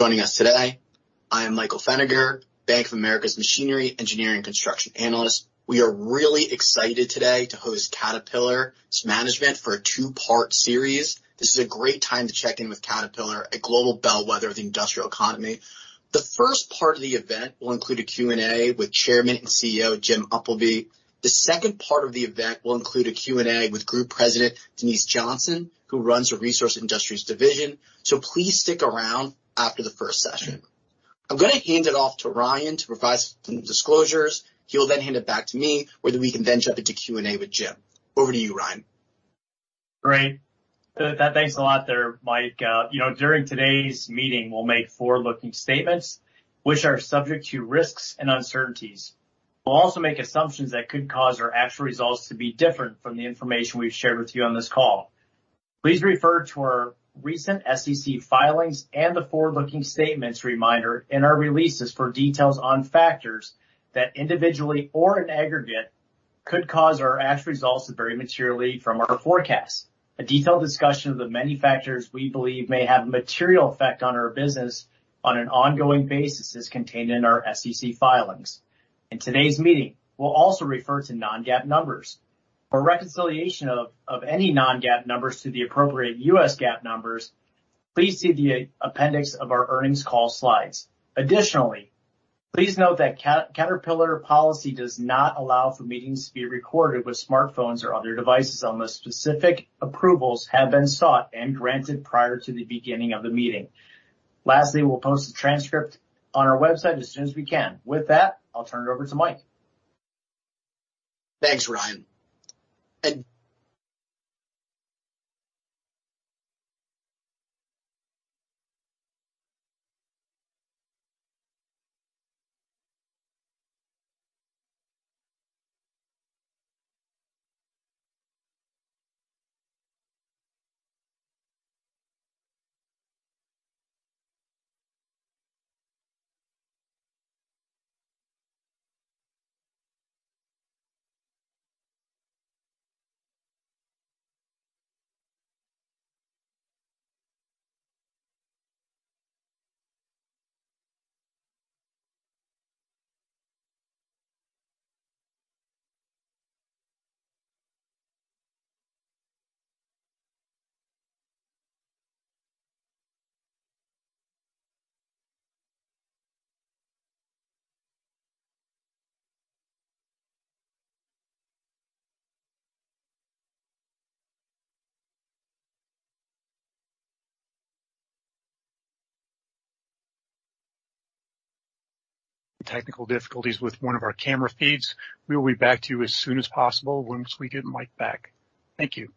Joining us today. I am Michael Feniger, Bank of America's Machinery, Engineering, and Construction Analyst. We are really excited today to host Caterpillar's management for a two-part series. This is a great time to check in with Caterpillar, a global bellwether of the industrial economy. The first part of the event will include a Q&A with Chairman and CEO, Jim Umpleby. The second part of the event will include a Q&A with Group President Denise Johnson, who runs the Resource Industries Division. Please stick around after the first session. I'm gonna hand it off to Ryan to provide some disclosures. He'll then hand it back to me, where we can then jump into Q&A with Jim. Over to you, Ryan. Great. Thanks a lot there, Mike. You know, during today's meeting, we'll make forward-looking statements which are subject to risks and uncertainties. We'll also make assumptions that could cause our actual results to be different from the information we've shared with you on this call. Please refer to our recent SEC filings and the forward-looking statements reminder in our releases for details on factors that individually or in aggregate, could cause our actual results to vary materially from our forecasts. A detailed discussion of the many factors we believe may have a material effect on our business on an ongoing basis is contained in our SEC filings. In today's meeting, we'll also refer to non-GAAP numbers. For reconciliation of any non-GAAP numbers to the appropriate U.S. GAAP numbers, please see the appendix of our earnings call slides. Additionally, please note that Caterpillar policy does not allow for meetings to be recorded with smartphones or other devices, unless specific approvals have been sought and granted prior to the beginning of the meeting. Lastly, we'll post the transcript on our website as soon as we can. With that, I'll turn it over to Mike. Thanks, Ryan. Technical difficulties with one of our camera feeds. We will be back to you as soon as possible once we get Mike back. Thank you.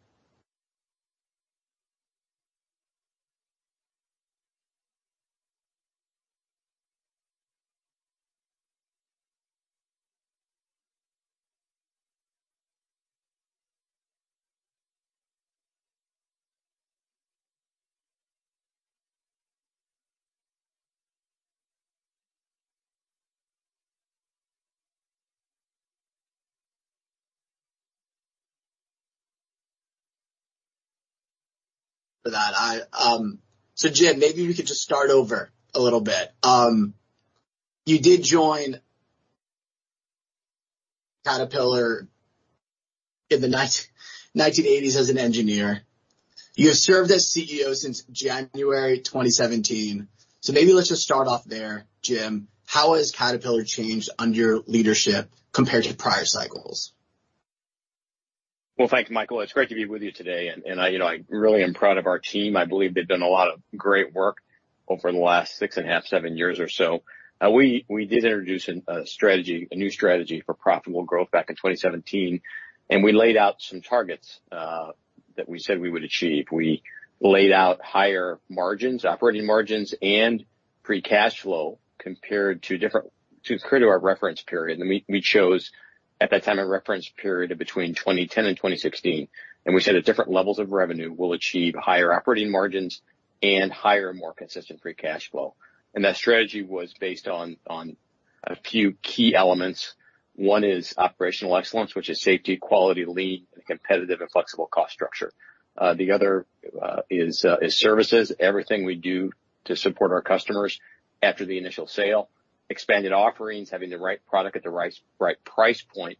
For that I, Jim, maybe we could just start over a little bit. You did join Caterpillar in the 1980s as an engineer. You have served as CEO since January 2017. Maybe let's just start off there, Jim. How has Caterpillar changed under your leadership compared to prior cycles? Well, thank you, Michael. It's great to be with you today, and I, you know, I really am proud of our team. I believe they've done a lot of great work over the last 6.5, 7 years or so. We did introduce a strategy, a new strategy for profitable growth back in 2017, and we laid out some targets that we said we would achieve. We laid out higher margins, operating margins, and free cash flow compared to our reference period. We chose, at that time, a reference period of between 2010 and 2016, and we said at different levels of revenue, we'll achieve higher operating margins and higher, more consistent free cash flow. That strategy was based on a few key elements. One is operational excellence, which is safety, quality, lean, and competitive and flexible cost structure. The other is services. Everything we do to support our customers after the initial sale. Expanded offerings, having the right product at the right price point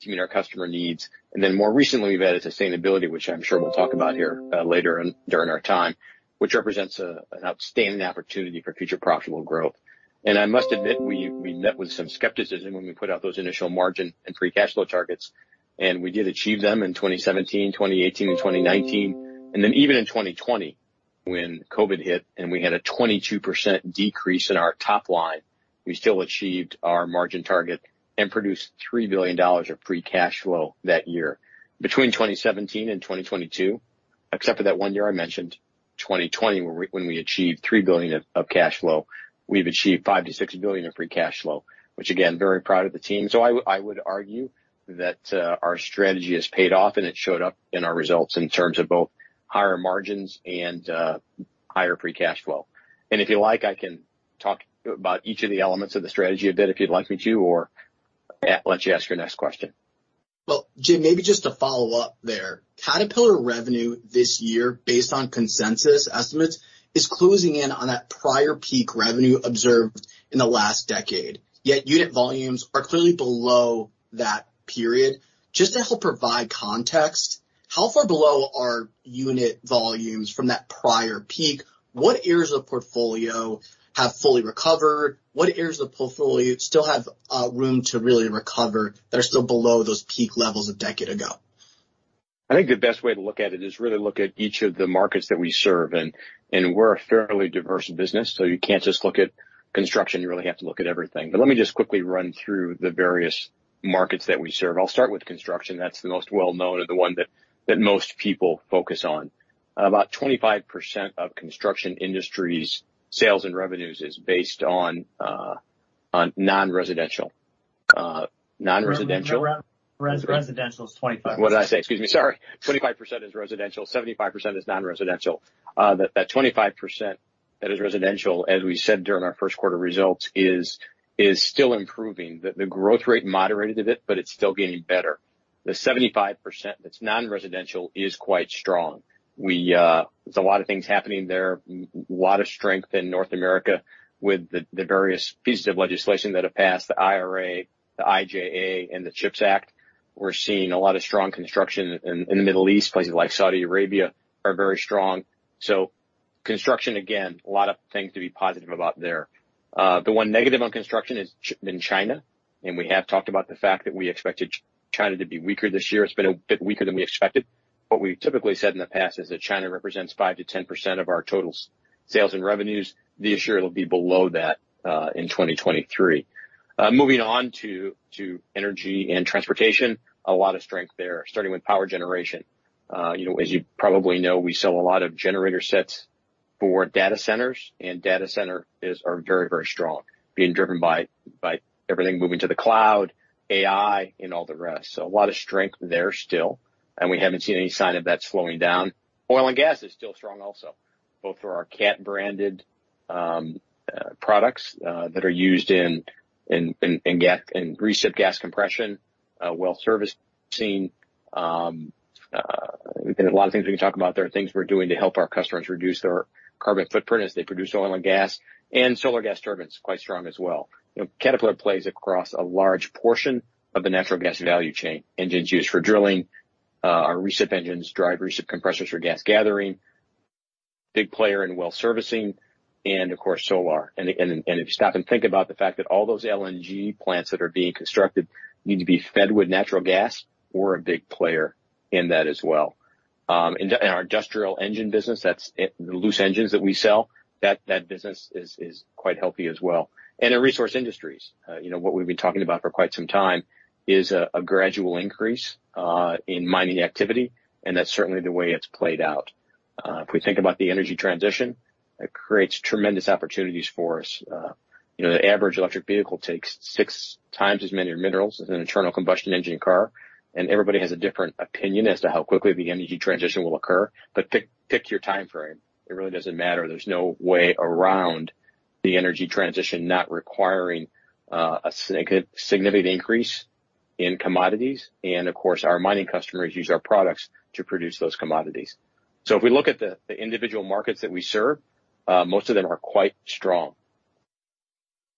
to meet our customer needs. More recently, we've added sustainability, which I'm sure we'll talk about here later in, during our time, which represents an outstanding opportunity for future profitable growth. I must admit, we met with some skepticism when we put out those initial margin and free cash flow targets, and we did achieve them in 2017, 2018, and 2019. Even in 2020, when COVID hit, and we had a 22% decrease in our top line, we still achieved our margin target and produced $3 billion of free cash flow that year. Between 2017 and 2022, except for that one year I mentioned, 2020, where we achieved $3 billion of cash flow, we've achieved $5 billion-$6 billion in free cash flow, which again, very proud of the team. I would argue that our strategy has paid off, and it showed up in our results in terms of both higher margins and higher free cash flow. If you like, I can talk about each of the elements of the strategy a bit, if you'd like me to, or I'll let you ask your next question. Jim, maybe just to follow up there. Caterpillar revenue this year, based on consensus estimates, is closing in on that prior peak revenue observed in the last decade, yet unit volumes are clearly below that period. Just to help provide context, how far below are unit volumes from that prior peak? What areas of portfolio have fully recovered? What areas of portfolio still have room to really recover, that are still below those peak levels a decade ago? I think the best way to look at it is really look at each of the markets that we serve, we're a fairly diverse business, so you can't just look at construction, you really have to look at everything. Let me just quickly run through the various markets that we serve. I'll start with construction. That's the most well known and the one that most people focus on. About 25% of Construction Industries' sales and revenues is based on non-residential. Residential is 25%. What did I say? Excuse me, sorry. 25% is residential, 75% is non-residential. That, that 25% that is residential, as we said during our first quarter results, is still improving. The growth rate moderated a bit, but it's still getting better. The 75% that's non-residential is quite strong. We. There's a lot of things happening there. Lot of strength in North America with the various pieces of legislation that have passed, the IRA, the IIJA, and the CHIPS Act. We're seeing a lot of strong construction in the Middle East. Places like Saudi Arabia are very strong. Construction, again, a lot of things to be positive about there. The one negative on construction is in China, and we have talked about the fact that we expected China to be weaker this year. It's been a bit weaker than we expected. What we've typically said in the past is that China represents 5%-10% of our total sales and revenues. This year, it'll be below that in 2023. Moving on to Energy & Transportation, a lot of strength there, starting with power generation. You know, as you probably know, we sell a lot of generator sets for data centers, and data center are very, very strong, being driven by everything moving to the cloud, AI, and all the rest. A lot of strength there still, and we haven't seen any sign of that slowing down. Oil and gas is still strong also, both for our Cat branded products that are used in gas, in recip gas compression, well servicing. A lot of things we can talk about there, things we're doing to help our customers reduce their carbon footprint as they produce oil and gas, and Solar gas turbines, quite strong as well. You know, Caterpillar plays across a large portion of the natural gas value chain. Engines used for drilling, our recip engines, drive recip compressors for gas gathering, big player in well servicing and, of course, Solar. If you stop and think about the fact that all those LNG plants that are being constructed need to be fed with natural gas, we're a big player in that as well. In our industrial engine business, that's it, the loose engines that we sell, that business is quite healthy as well. In Resource Industries, you know, what we've been talking about for quite some time is a gradual increase in mining activity. That's certainly the way it's played out. If we think about the energy transition, it creates tremendous opportunities for us. You know, the average electric vehicle takes 6x as many minerals as an internal combustion engine car, and everybody has a different opinion as to how quickly the energy transition will occur. Pick your time frame, it really doesn't matter. There's no way around the energy transition not requiring a significant increase in commodities, and of course, our mining customers use our products to produce those commodities. If we look at the individual markets that we serve, most of them are quite strong.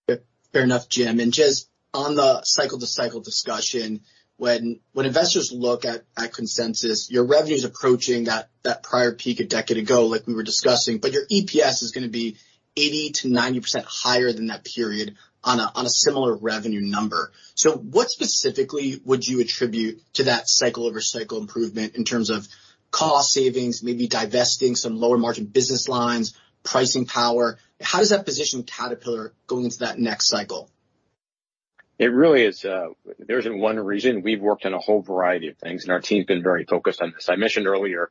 Yep. Fair enough, Jim. Just on the cycle-to-cycle discussion, when investors look at consensus, your revenue is approaching that prior peak a decade ago, like we were discussing, but your EPS is gonna be 80%-90% higher than that period on a similar revenue number. What specifically would you attribute to that cycle-over-cycle improvement in terms of cost savings, maybe divesting some lower margin business lines, pricing power? How does that position Caterpillar going into that next cycle? It really is. There isn't one reason. We've worked on a whole variety of things, and our team's been very focused on this. I mentioned earlier,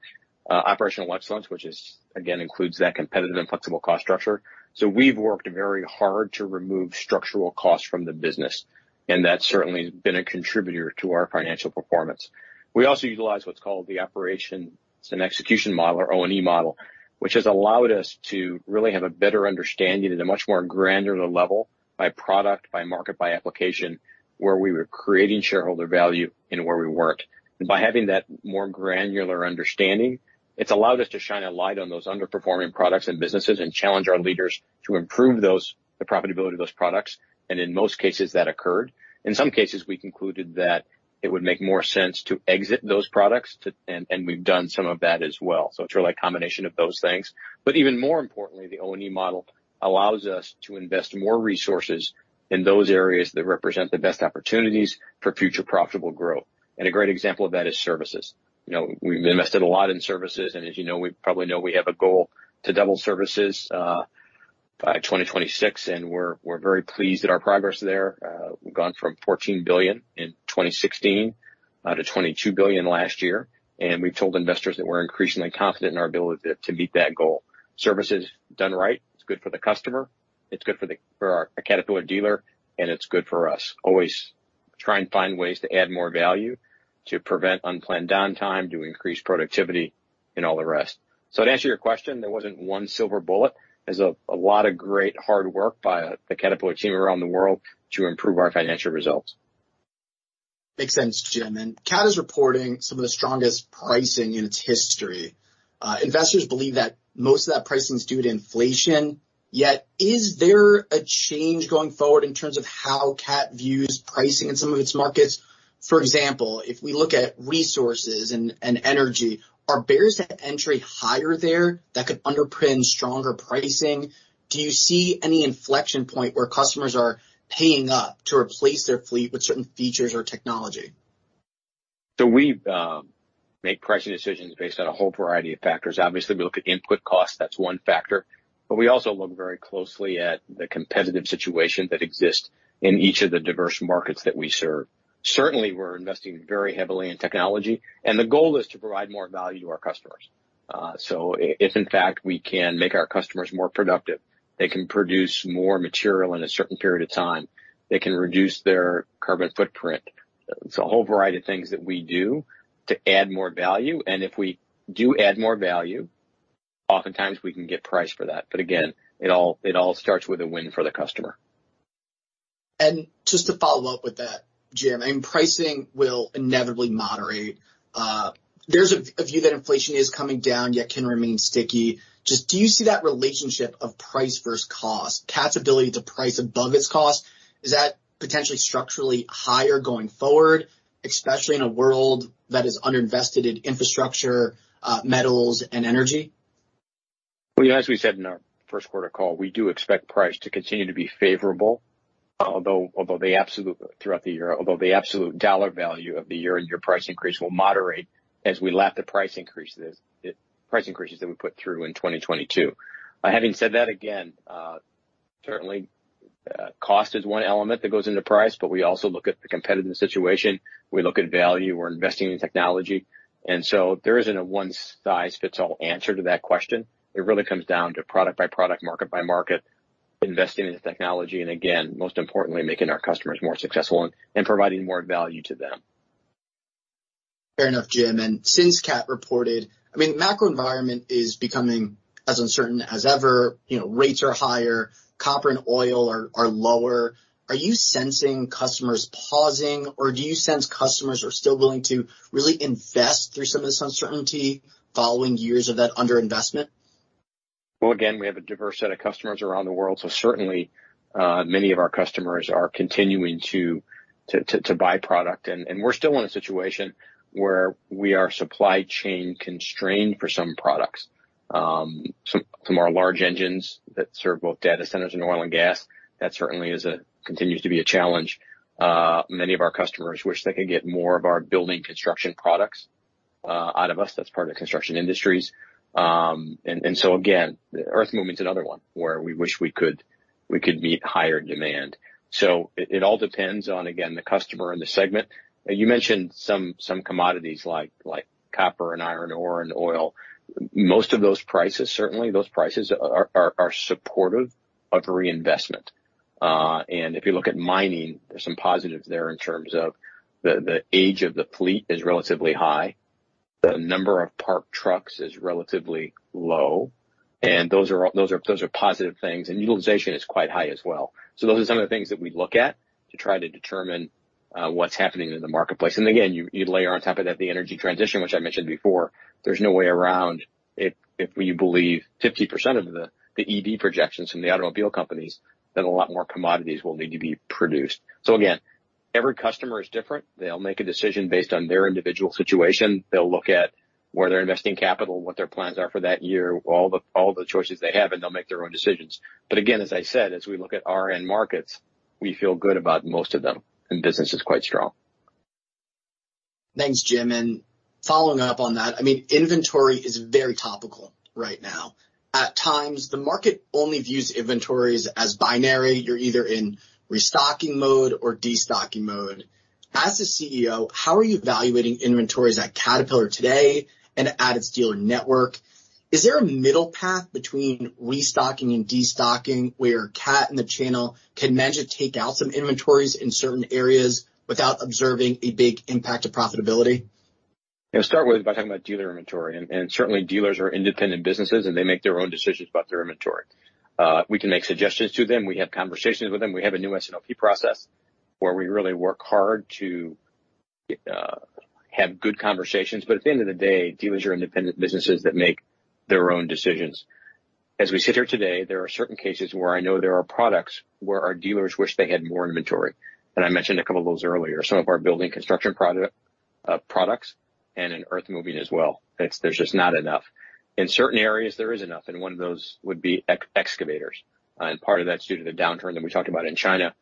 operational excellence, which is again, includes that competitive and flexible cost structure. We've worked very hard to remove structural costs from the business, and that's certainly been a contributor to our financial performance. We also utilize what's called the Operation and Execution model, or O&E model, which has allowed us to really have a better understanding at a much more granular level by product, by market, by application, where we were creating shareholder value and where we weren't. By having that more granular understanding, it's allowed us to shine a light on those underperforming products and businesses and challenge our leaders to improve those, the profitability of those products. In most cases, that occurred. In some cases, we concluded that it would make more sense to exit those products to, and we've done some of that as well. It's really a combination of those things. Even more importantly, the O&E model allows us to invest more resources in those areas that represent the best opportunities for future profitable growth. A great example of that is services. You know, we've invested a lot in services, and as you know, we probably know we have a goal to double services by 2026, and we're very pleased at our progress there. We've gone from $14 billion in 2016 to $22 billion last year, and we've told investors that we're increasingly confident in our ability to meet that goal. Services done right, it's good for the customer, it's good for the, for our Caterpillar dealer, and it's good for us. Always try find ways to add more value, to prevent unplanned downtime, to increase productivity.... and all the rest. To answer your question, there wasn't one silver bullet. There's a lot of great hard work by the Caterpillar team around the world to improve our financial results. Makes sense, Jim. Cat is reporting some of the strongest pricing in its history. Investors believe that most of that pricing is due to inflation. Is there a change going forward in terms of how Cat views pricing in some of its markets? For example, if we look at resources and energy, are barriers to entry higher there that could underpin stronger pricing? Do you see any inflection point where customers are paying up to replace their fleet with certain features or technology? We make pricing decisions based on a whole variety of factors. Obviously, we look at input costs, that's one factor, but we also look very closely at the competitive situation that exists in each of the diverse markets that we serve. Certainly, we're investing very heavily in technology, and the goal is to provide more value to our customers. If in fact we can make our customers more productive, they can produce more material in a certain period of time, they can reduce their carbon footprint. It's a whole variety of things that we do to add more value, and if we do add more value, oftentimes we can get price for that. Again, it all starts with a win for the customer. Just to follow up with that, Jim, I mean, pricing will inevitably moderate. There's a view that inflation is coming down, yet can remain sticky. Just do you see that relationship of price versus cost? Cat's ability to price above its cost, is that potentially structurally higher going forward, especially in a world that is underinvested in infrastructure, metals, and energy? Well, as we said in our first quarter call, we do expect price to continue to be favorable. Although throughout the year, although the absolute dollar value of the year-over-year price increase will moderate as we lap the price increases that we put through in 2022. Having said that, again, certainly, cost is one element that goes into price, but we also look at the competitive situation. We look at value. We're investing in technology, and so there isn't a one-size-fits-all answer to that question. It really comes down to product by product, market by market, investing in the technology, and again, most importantly, making our customers more successful and providing more value to them. Fair enough, Jim. Since Cat reported, I mean, macro environment is becoming as uncertain as ever. You know, rates are higher, copper and oil are lower. Are you sensing customers pausing, or do you sense customers are still willing to really invest through some of this uncertainty following years of that underinvestment? Again, we have a diverse set of customers around the world, certainly, many of our customers are continuing to buy product. We're still in a situation where we are supply chain constrained for some products. Some are large engines that serve both data centers and oil and gas. That certainly continues to be a challenge. Many of our customers wish they could get more of our building construction products out of us. That's part of the Construction Industries. Again, earth movement's another one where we wish we could meet higher demand. It all depends on, again, the customer and the segment. You mentioned some commodities like copper and iron ore and oil. Most of those prices, certainly those prices are supportive of reinvestment. If you look at mining, there's some positives there in terms of the age of the fleet is relatively high. The number of parked trucks is relatively low, and those are positive things, and utilization is quite high as well. Those are some of the things that we look at to try to determine what's happening in the marketplace. Again, you layer on top of that, the energy transition, which I mentioned before, there's no way around it if you believe 50% of the EV projections from the automobile companies, then a lot more commodities will need to be produced. Again, every customer is different. They'll make a decision based on their individual situation. They'll look at where they're investing capital, what their plans are for that year, all the choices they have, and they'll make their own decisions. Again, as I said, as we look at our end markets, we feel good about most of them, and business is quite strong. Thanks, Jim. Following up on that, I mean, inventory is very topical right now. At times, the market only views inventories as binary. You're either in restocking mode or destocking mode. As the CEO, how are you evaluating inventories at Caterpillar today and at its dealer network? Is there a middle path between restocking and destocking, where Cat and the channel can manage to take out some inventories in certain areas without observing a big impact to profitability? Start with by talking about dealer inventory, and certainly dealers are independent businesses, and they make their own decisions about their inventory. We can make suggestions to them. We have conversations with them. We have a new S&OP process where we really work hard to have good conversations, but at the end of the day, dealers are independent businesses that make their own decisions. As we sit here today, there are certain cases where I know there are products where our dealers wish they had more inventory, and I mentioned a couple of those earlier. Some of our building construction products and in earthmoving as well. There's just not enough. In certain areas, there is enough, and one of those would be excavators, and part of that's due to the downturn that we talked about in China.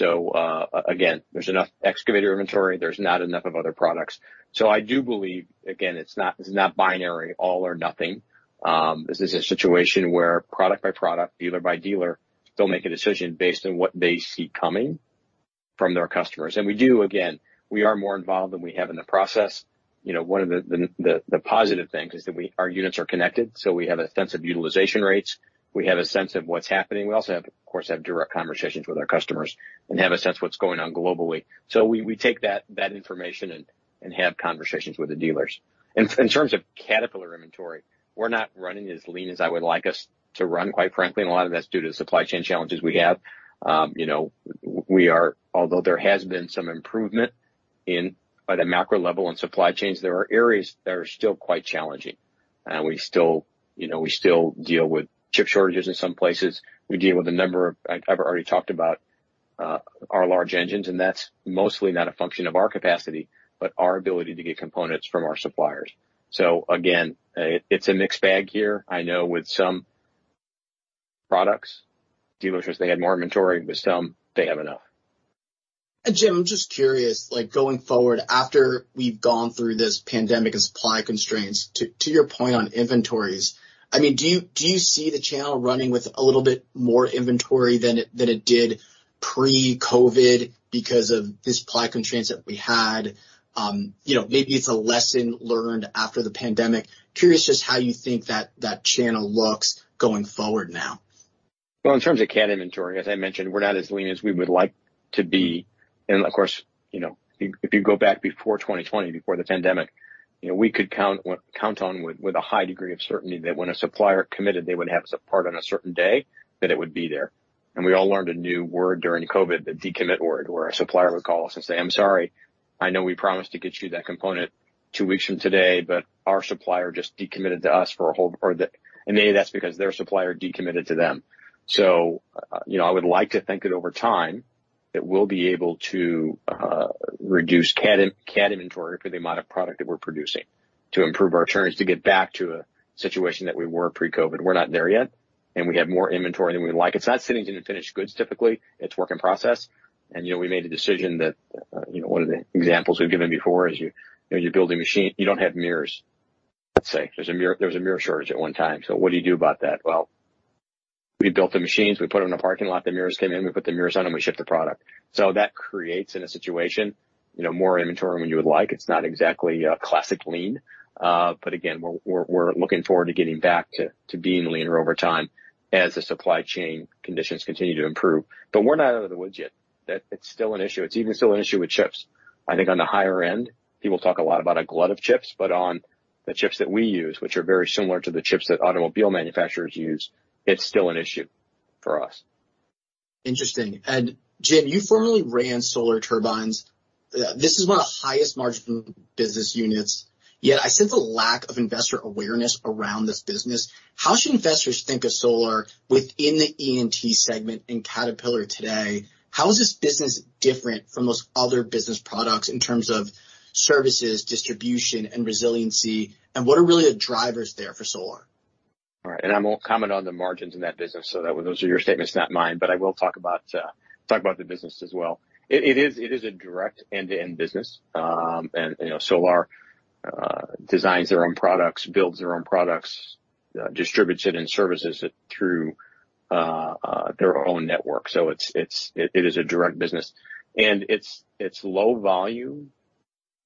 Again, there's enough excavator inventory. There's not enough of other products. I do believe, again, it's not, it's not binary, all or nothing. This is a situation where product by product, dealer by dealer, they'll make a decision based on what they see coming from their customers. We do again, we are more involved than we have in the process. You know, one of the positive things is that we, our units are connected, so we have a sense of utilization rates. We have a sense of what's happening. We also have, of course, have direct conversations with our customers and have a sense of what's going on globally. We, we take that information and have conversations with the dealers. In terms of Caterpillar inventory, we're not running as lean as I would like us to run, quite frankly, and a lot of that's due to the supply chain challenges we have. You know, although there has been some improvement by the macro level and supply chains, there are areas that are still quite challenging. We still, you know, we still deal with chip shortages in some places. I've already talked about our large engines. That's mostly not a function of our capacity, but our ability to get components from our suppliers. Again, it's a mixed bag here. I know with some products, dealers wish they had more inventory. Some they have enough. Jim, I'm just curious, like, going forward, after we've gone through this pandemic and supply constraints, to your point on inventories, I mean, do you see the channel running with a little bit more inventory than it did pre-COVID because of the supply constraints that we had? You know, maybe it's a lesson learned after the pandemic. Curious just how you think that channel looks going forward now. Well, in terms of Cat inventory, as I mentioned, we're not as lean as we would like to be. Of course, you know, if you go back before 2020, before the pandemic, you know, we could count on with a high degree of certainty that when a supplier committed, they would have a part on a certain day, that it would be there. We all learned a new word during COVID, the decommit word, where a supplier would call us and say, "I'm sorry, I know we promised to get you that component 2 weeks from today, but our supplier just decommitted to us for a whole or that," maybe that's because their supplier decommitted to them. You know, I would like to think that over time, that we'll be able to reduce Cat inventory for the amount of product that we're producing to improve our turns, to get back to a situation that we were pre-COVID. We're not there yet, and we have more inventory than we'd like. It's not sitting in finished goods, typically. It's work in process. You know, we made a decision that, you know, one of the examples we've given before is you know, you build a machine, you don't have mirrors. Let's say there's a mirror, there was a mirror shortage at one time. What do you do about that? We built the machines, we put them in a parking lot, the mirrors came in, we put the mirrors on, and we shipped the product. That creates in a situation, you know, more inventory than you would like. It's not exactly a classic lean, but again, we're looking forward to getting back to being leaner over time as the supply chain conditions continue to improve. We're not out of the woods yet. It's still an issue. It's even still an issue with chips. I think on the higher end, people talk a lot about a glut of chips, but on the chips that we use, which are very similar to the chips that automobile manufacturers use, it's still an issue for us. Interesting. Jim, you formerly ran Solar Turbines. This is one of the highest marginal business units, yet I sense a lack of investor awareness around this business. How should investors think of Solar within the E&T segment in Caterpillar today? How is this business different from most other business products in terms of services, distribution, and resiliency? What are really the drivers there for Solar? All right. I won't comment on the margins in that business, so that those are your statements, not mine, but I will talk about the business as well. It is a direct end-to-end business. You know, Solar designs their own products, builds their own products, distributes it and services it through their own network. It is a direct business, and it's low volume,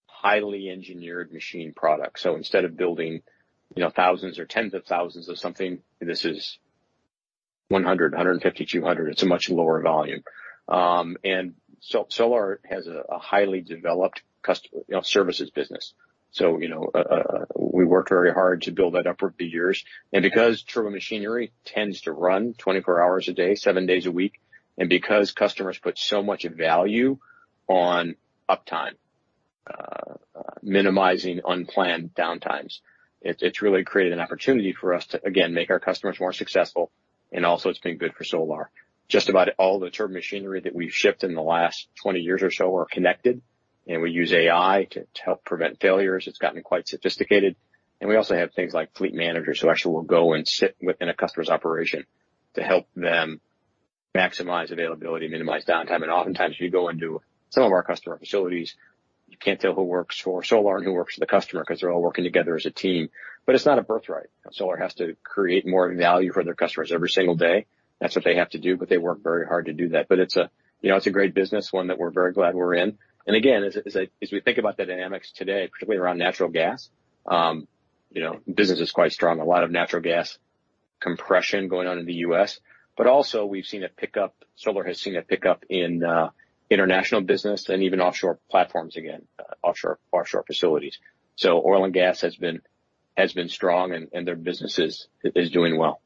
highly engineered machine products. Instead of building, you know, thousands or tens of thousands of something, this is 100, 150, 200. It's a much lower volume. Solar has a highly developed customer, you know, services business. You know, we worked very hard to build that up over the years. Because turbomachinery tends to run 24 hours a day, 7 days a week, because customers put so much value on uptime, minimizing unplanned downtimes, it's really created an opportunity for us to, again, make our customers more successful, also it's been good for Solar. Just about all the turbomachinery that we've shipped in the last 20 years or so are connected, we use AI to help prevent failures. It's gotten quite sophisticated. We also have things like fleet managers, who actually will go and sit within a customer's operation to help them maximize availability, minimize downtime. Oftentimes, you go into some of our customer facilities, you can't tell who works for Solar and who works for the customer because they're all working together as a team. It's not a birth right. Solar has to create more value for their customers every single day. That's what they have to do. They work very hard to do that. You know, it's a great business, one that we're very glad we're in. Again, as we think about the dynamics today, particularly around natural gas, you know, business is quite strong. A lot of natural gas compression going on in the U.S. Also we've seen a pickup, Solar has seen a pickup in International business and even offshore platforms again, offshore facilities. Oil and gas has been strong and their business is doing well.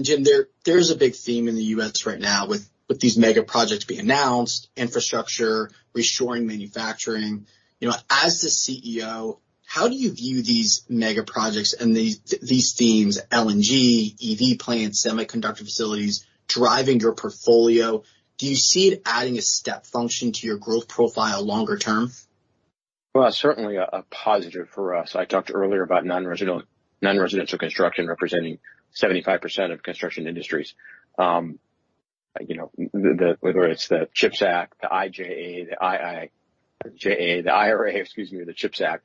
Jim, there's a big theme in the U.S. right now with these mega projects being announced, infrastructure, reshoring, manufacturing. You know, as the CEO, how do you view these mega projects and these themes, LNG, EV plants, semiconductor facilities, driving your portfolio? Do you see it adding a step function to your growth profile longer term? Certainly a positive for us. I talked earlier about nonresidential construction representing 75% of Construction Industries. You know, the whether it's the CHIPS Act, the IIJA, the IRA, excuse me, the CHIPS Act,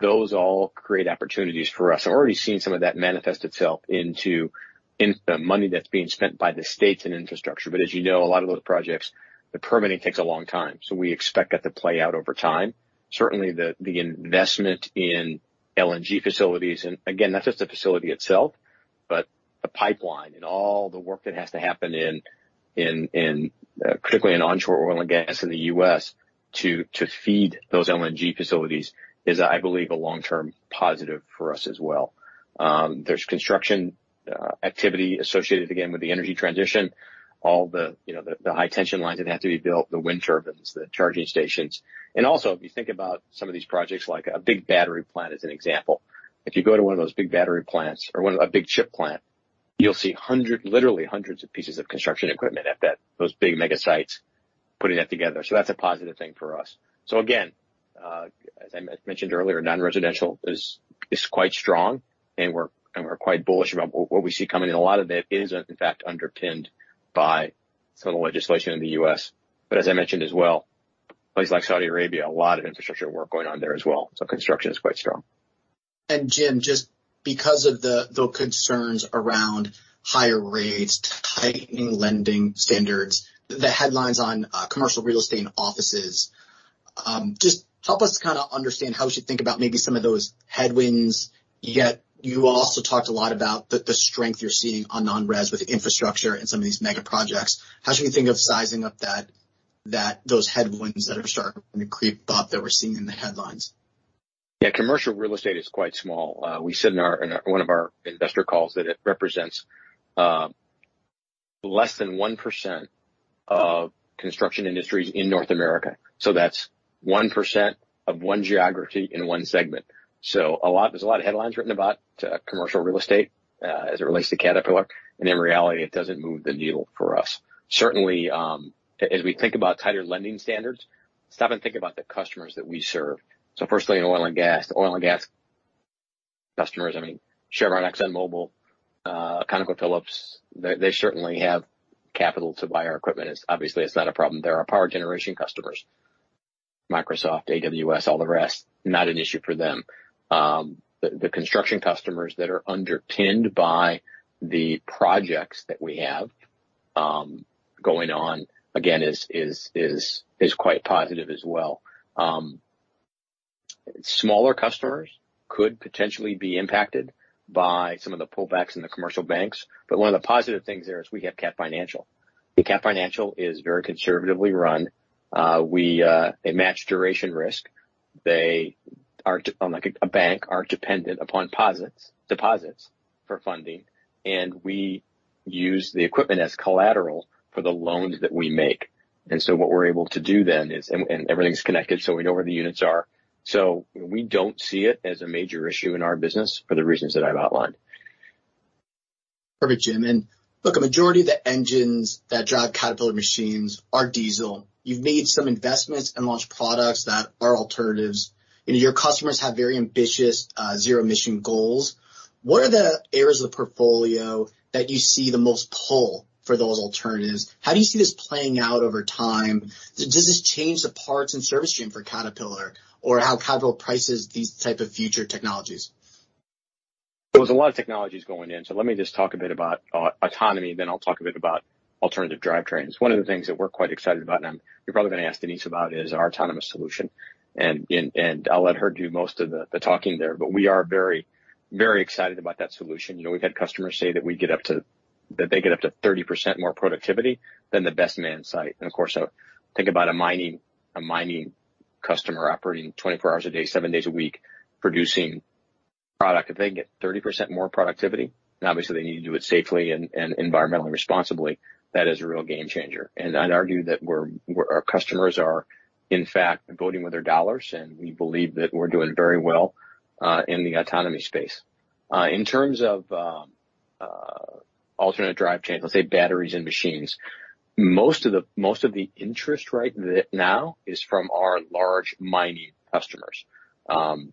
those all create opportunities for us. I've already seen some of that manifest itself into in the money that's being spent by the states in infrastructure. As you know, a lot of those projects, the permitting takes a long time, so we expect that to play out over time. Certainly, the investment in LNG facilities, and again, not just the facility itself, but the pipeline and all the work that has to happen in particularly in onshore oil and gas in the U.S. to feed those LNG facilities is, I believe, a long-term positive for us as well. There's construction activity associated, again, with the energy transition. All the, you know, high tension lines that have to be built, the wind turbines, the charging stations. If you think about some of these projects, like a big battery plant as an example. If you go to one of those big battery plants or a big chip plant, you'll see hundred, literally hundreds of pieces of construction equipment at that, those big mega sites putting that together. That's a positive thing for us. Again, as I mentioned earlier, non-residential is quite strong, and we're quite bullish about what we see coming in. A lot of that is, in fact, underpinned by some of the legislation in the U.S. As I mentioned as well, places like Saudi Arabia, a lot of infrastructure work going on there as well. Construction is quite strong. Jim, just because of the concerns around higher rates, tightening lending standards, the headlines on commercial real estate and offices, just help us kinda understand how we should think about maybe some of those headwinds. You also talked a lot about the strength you're seeing on non-res with infrastructure and some of these mega projects. How should we think of sizing up that those headwinds that are starting to creep up, that we're seeing in the headlines? Yeah, commercial real estate is quite small. We said in one of our investor calls that it represents less than 1% of Construction Industries in North America. That's 1% of 1 geography in 1 segment. There's a lot of headlines written about commercial real estate as it relates to Caterpillar, and in reality, it doesn't move the needle for us. Certainly, as we think about tighter lending standards, stop and think about the customers that we serve. Firstly, in oil and gas. Oil and gas customers, I mean, Chevron, ExxonMobil, ConocoPhillips, they certainly have capital to buy our equipment. It's obviously not a problem. There are power generation customers, Microsoft, AWS, all the rest, not an issue for them. The, the construction customers that are underpinned by the projects that we have, going on, again, is quite positive as well. Smaller customers could potentially be impacted by some of the pullbacks in the commercial banks, but one of the positive things there is we have Cat Financial. The Cat Financial is very conservatively run. We, they match duration risk. They are, like a bank, are dependent upon deposits for funding, and we use the equipment as collateral for the loans that we make. What we're able to do then is and everything's connected, so we know where the units are. We don't see it as a major issue in our business for the reasons that I've outlined. Perfect, Jim. Look, a majority of the engines that drive Caterpillar machines are diesel. You've made some investments and launched products that are alternatives, and your customers have very ambitious zero emission goals. What are the areas of the portfolio that you see the most pull for those alternatives? How do you see this playing out over time? Does this change the parts and service stream for Caterpillar or how Caterpillar prices these type of future technologies? There was a lot of technologies going in. Let me just talk a bit about autonomy, then I'll talk a bit about alternative drivetrains. One of the things that we're quite excited about, and you're probably gonna ask Denise about, is our autonomous solution. I'll let her do most of the talking there, but we are very, very excited about that solution. You know, we've had customers say that they get up to 30% more productivity than the best man site. Of course, think about a mining customer operating 24 hours a day, 7 days a week, producing product. If they can get 30% more productivity, and obviously they need to do it safely and environmentally responsibly, that is a real game changer. I'd argue that we're, our customers are, in fact, voting with their dollars, and we believe that we're doing very well in the autonomy space. In terms of alternate drivetrains, let's say batteries and machines, most of the interest right now is from our large mining customers. A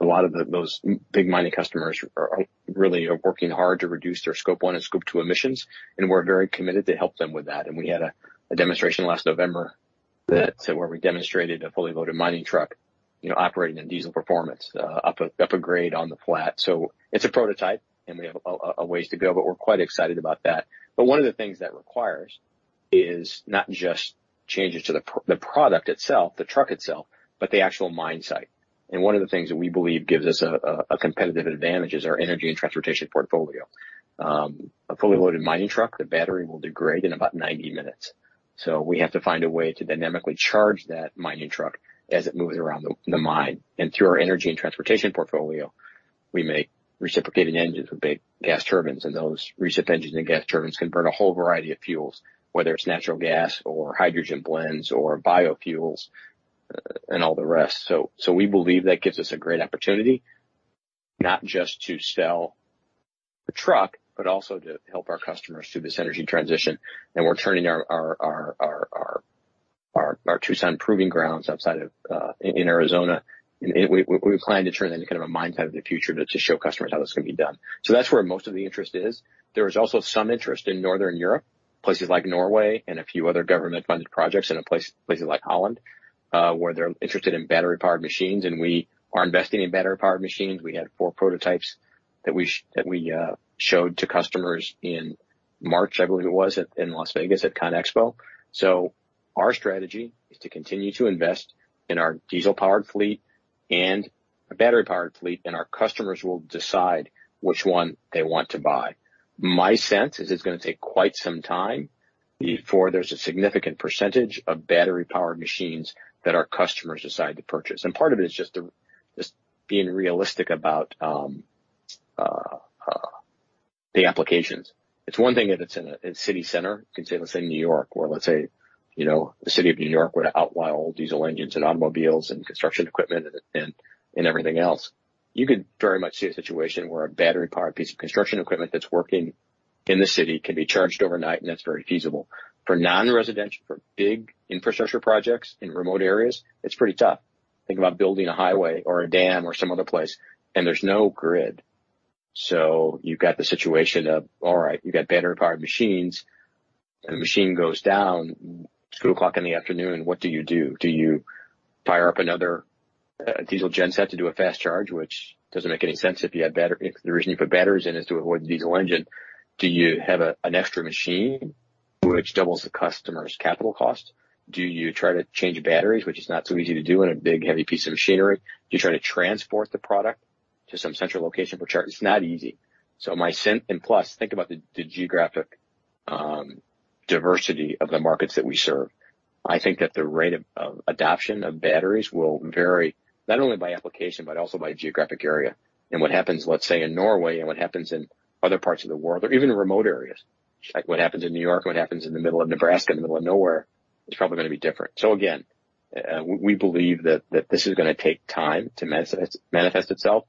lot of those big mining customers are really working hard to reduce their Scope 1 and Scope 2 emissions, and we're very committed to help them with that. We had a demonstration last November that, where we demonstrated a fully loaded mining truck, you know, operating in diesel performance up a grade on the flat. It's a prototype, and we have a ways to go, but we're quite excited about that. One of the things that requires is not just changes to the product itself, the truck itself, but the actual mine site. One of the things that we believe gives us a competitive advantage is our Energy & Transportation portfolio. A fully loaded mining truck, the battery will degrade in about 90 minutes. We have to find a way to dynamically charge that mining truck as it moves around the mine. Through our Energy & Transportation portfolio, we make reciproCating engines with big gas turbines, and those recip engines and gas turbines can burn a whole variety of fuels, whether it's natural gas or hydrogen blends or biofuels, and all the rest. We believe that gives us a great opportunity, not just to sell the truck, but also to help our customers through this energy transition. We're turning our Tucson Proving Ground outside of in Arizona, we plan to turn that into kind of a mine of the future to show customers how this can be done. That's where most of the interest is. There is also some interest in Northern Europe, places like Norway and a few other government-funded projects in places like Holland, where they're interested in battery-powered machines, and we are investing in battery-powered machines. We had four prototypes that we showed to customers in March, I believe it was, in Las Vegas at CONEXPO. Our strategy is to continue to invest in our diesel-powered fleet and a battery-powered fleet, and our customers will decide which one they want to buy. My sense is it's gonna take quite some time before there's a significant percentage of battery-powered machines that our customers decide to purchase. Part of it is just being realistic about the applications. It's one thing if it's in city center, you can say, let's say New York, or let's say, you know, the city of New York were to outlaw all diesel engines and automobiles and construction equipment and everything else. You could very much see a situation where a battery-powered piece of construction equipment that's working in the city can be charged overnight, and that's very feasible. For non-residential, for big infrastructure projects in remote areas, it's pretty tough. Think about building a highway or a dam or some other place, and there's no grid. You've got the situation of, all right, you've got battery-powered machines, and the machine goes down, 2:00 in the afternoon, what do you do? Do you fire up another diesel genset to do a fast charge, which doesn't make any sense. The reason you put batteries in is to avoid the diesel engine. Do you have an extra machine which doubles the customer's capital cost? Do you try to change batteries, which is not so easy to do in a big, heavy piece of machinery? Do you try to transport the product to some central location for charge? It's not easy. My sense, and plus, think about the geographic diversity of the markets that we serve. I think that the rate of adoption of batteries will vary not only by application, but also by geographic area. What happens, let's say, in Norway, and what happens in other parts of the world or even in remote areas, like what happens in New York, what happens in the middle of Nebraska, in the middle of nowhere, is probably going to be different. Again, we believe that this is going to take time to manifest itself.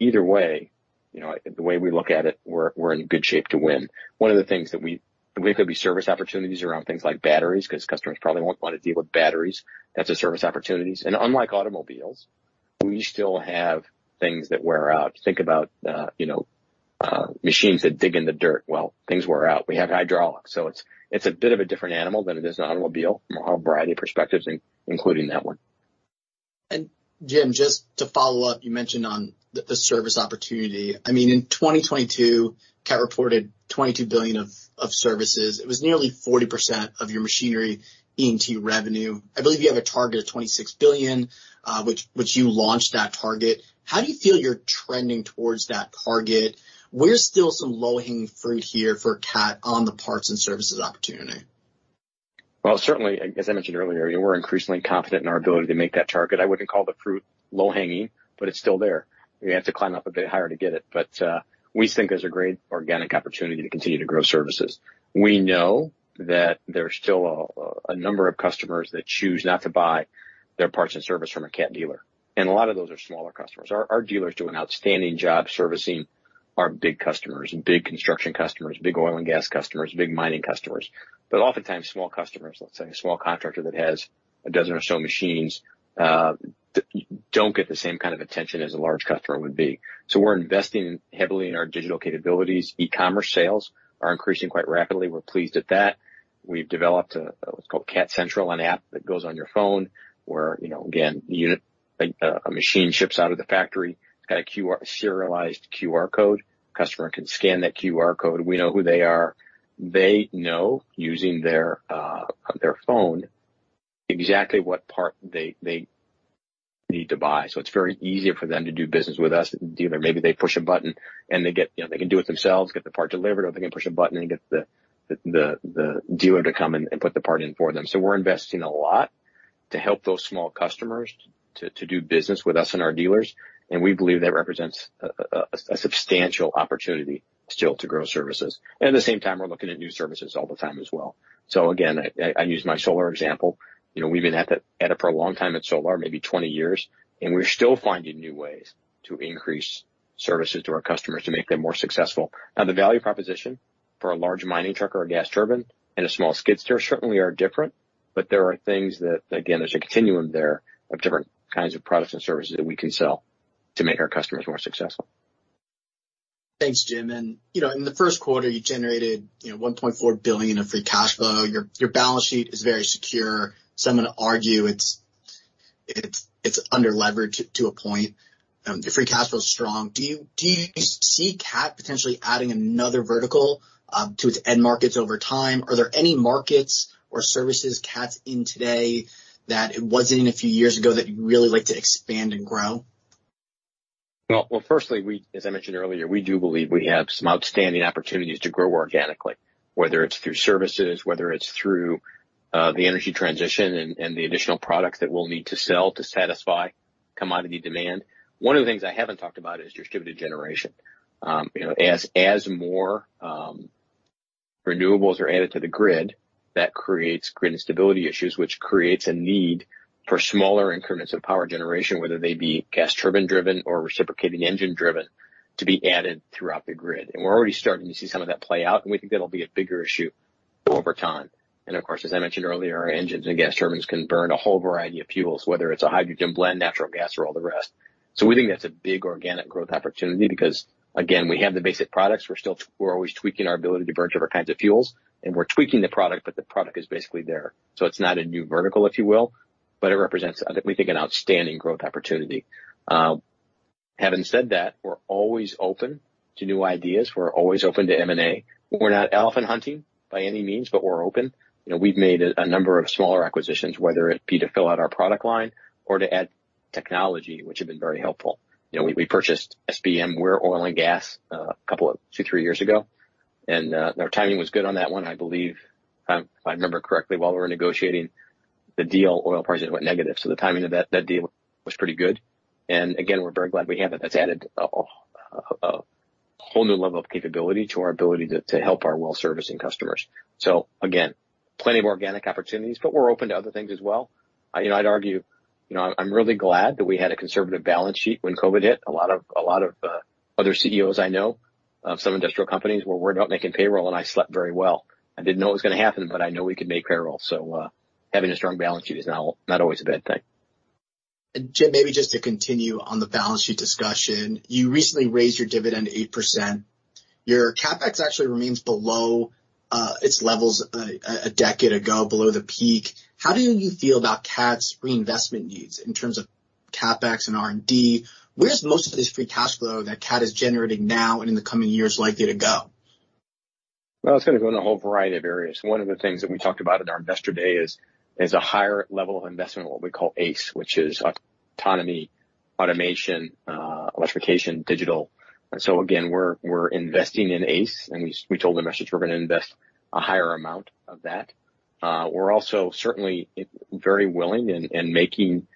Either way, you know, the way we look at it, we're in good shape to win. One of the things there could be service opportunities around things like batteries, 'cause customers probably won't want to deal with batteries. That's the service opportunities. Unlike automobiles, we still have things that wear out. Think about, you know, machines that dig in the dirt. Well, things wear out. We have hydraulics. It's a bit of a different animal than it is an automobile, from a whole variety of perspectives, including that one. Jim, just to follow-up, you mentioned on the service opportunity. I mean, in 2022, Cat reported $22 billion of services. It was nearly 40% of your machinery ME&T revenue. I believe you have a target of $26 billion, which you launched that target. How do you feel you're trending towards that target? Where's still some low-hanging fruit here for Cat on the parts and services opportunity? Certainly, as I mentioned earlier, we're increasingly confident in our ability to make that target. I wouldn't call the fruit low hanging, but it's still there. We have to climb up a bit higher to get it, but we think there's a great organic opportunity to continue to grow services. We know that there's still a number of customers that choose not to buy their parts and service from a Cat dealer, and a lot of those are smaller customers. Our dealers do an outstanding job servicing our big customers, big construction customers, big oil and gas customers, big mining customers. Oftentimes small customers, let's say a small contractor that has a dozen or so machines, don't get the same kind of attention as a large customer would be. We're investing heavily in our digital capabilities. e-commerce sales are increasing quite rapidly. We're pleased at that. We've developed what's called Cat Central, an app that goes on your phone where, you know, again, unit, a machine ships out of the factory, got a serialized QR code. Customer can scan that QR code. We know who they are. They know, using their phone, exactly what part they need to buy. It's very easier for them to do business with us, the dealer. Maybe they push a button, and they get, you know, they can do it themselves, get the part delivered, or they can push a button and get the dealer to come in and put the part in for them. We're investing a lot to help those small customers to do business with us and our dealers, and we believe that represents a substantial opportunity still to grow services. At the same time, we're looking at new services all the time as well. Again, I use my Solar Turbines example. You know, we've been at it, at it for a long time at Solar, maybe 20 years, and we're still finding new ways to increase services to our customers to make them more successful. The value proposition for a large mining truck or a gas turbine and a small skid steer certainly are different, but there are things that, again, there's a continuum there of different kinds of products and services that we can sell to make our customers more successful. Thanks, Jim. You know, in the first quarter, you generated, you know, $1.4 billion in free cash flow. Your balance sheet is very secure, I'm gonna argue it's underleveraged to a point. Your free cash flow is strong. Do you see Cat potentially adding another vertical to its end markets over time? Are there any markets or services Cat's in today that it wasn't in a few years ago, that you'd really like to expand and grow? Well, firstly, we as I mentioned earlier, we do believe we have some outstanding opportunities to grow organically, whether it's through services, whether it's through the energy transition and the additional products that we'll need to sell to satisfy commodity demand. One of the things I haven't talked about is distributed generation. You know, as more renewables are added to the grid, that creates grid instability issues, which creates a need for smaller increments of power generation, whether they be gas turbine-driven or reciproCating engine-driven, to be added throughout the grid. We're already starting to see some of that play out, and we think that'll be a bigger issue over time. Of course, as I mentioned earlier, our engines and gas turbines can burn a whole variety of fuels, whether it's a hydrogen blend, natural gas, or all the rest. We think that's a big organic growth opportunity because, again, we have the basic products. We're still, we're always tweaking our ability to burn different kinds of fuels, and we're tweaking the product, but the product is basically there. It's not a new vertical, if you will, but it represents, we think, an outstanding growth opportunity. Having said that, we're always open to new ideas. We're always open to M&A. We're not elephant hunting by any means, but we're open. You know, we've made a number of smaller acquisitions, whether it be to fill out our product line or to add technology, which have been very helpful. You know, we purchased SPM, we're oil and gas, a couple of two, three years ago, and our timing was good on that one. I believe, if I remember correctly, while we were negotiating the deal, oil prices went negative. The timing of that deal was pretty good, and again, we're very glad we have it. That's added a whole new level of capability to our ability to help our well servicing customers. Again, plenty of organic opportunities, but we're open to other things as well. You know, I'm really glad that we had a conservative balance sheet when COVID hit. A lot of other CEOs I know, of some industrial companies, were worried about making payroll, and I slept very well. I didn't know it was gonna happen, but I know we could make payroll. Having a strong balance sheet is not always a bad thing. Jim, maybe just to continue on the balance sheet discussion. You recently raised your dividend 8%. Your CapEx actually remains below its levels a decade ago, below the peak. How do you feel about Cat's reinvestment needs in terms of CapEx and R&D? Where's most of this free cash flow that Cat is generating now and in the coming years likely to go? Well, it's gonna go in a whole variety of areas. One of the things that we talked about in our Investor Day is a higher level of investment in what we call ACE, which is autonomy, automation, electrifiCation, digital. Again, we're investing in ACE, and we told investors we're gonna invest a higher amount of that. We're also certainly very willing in making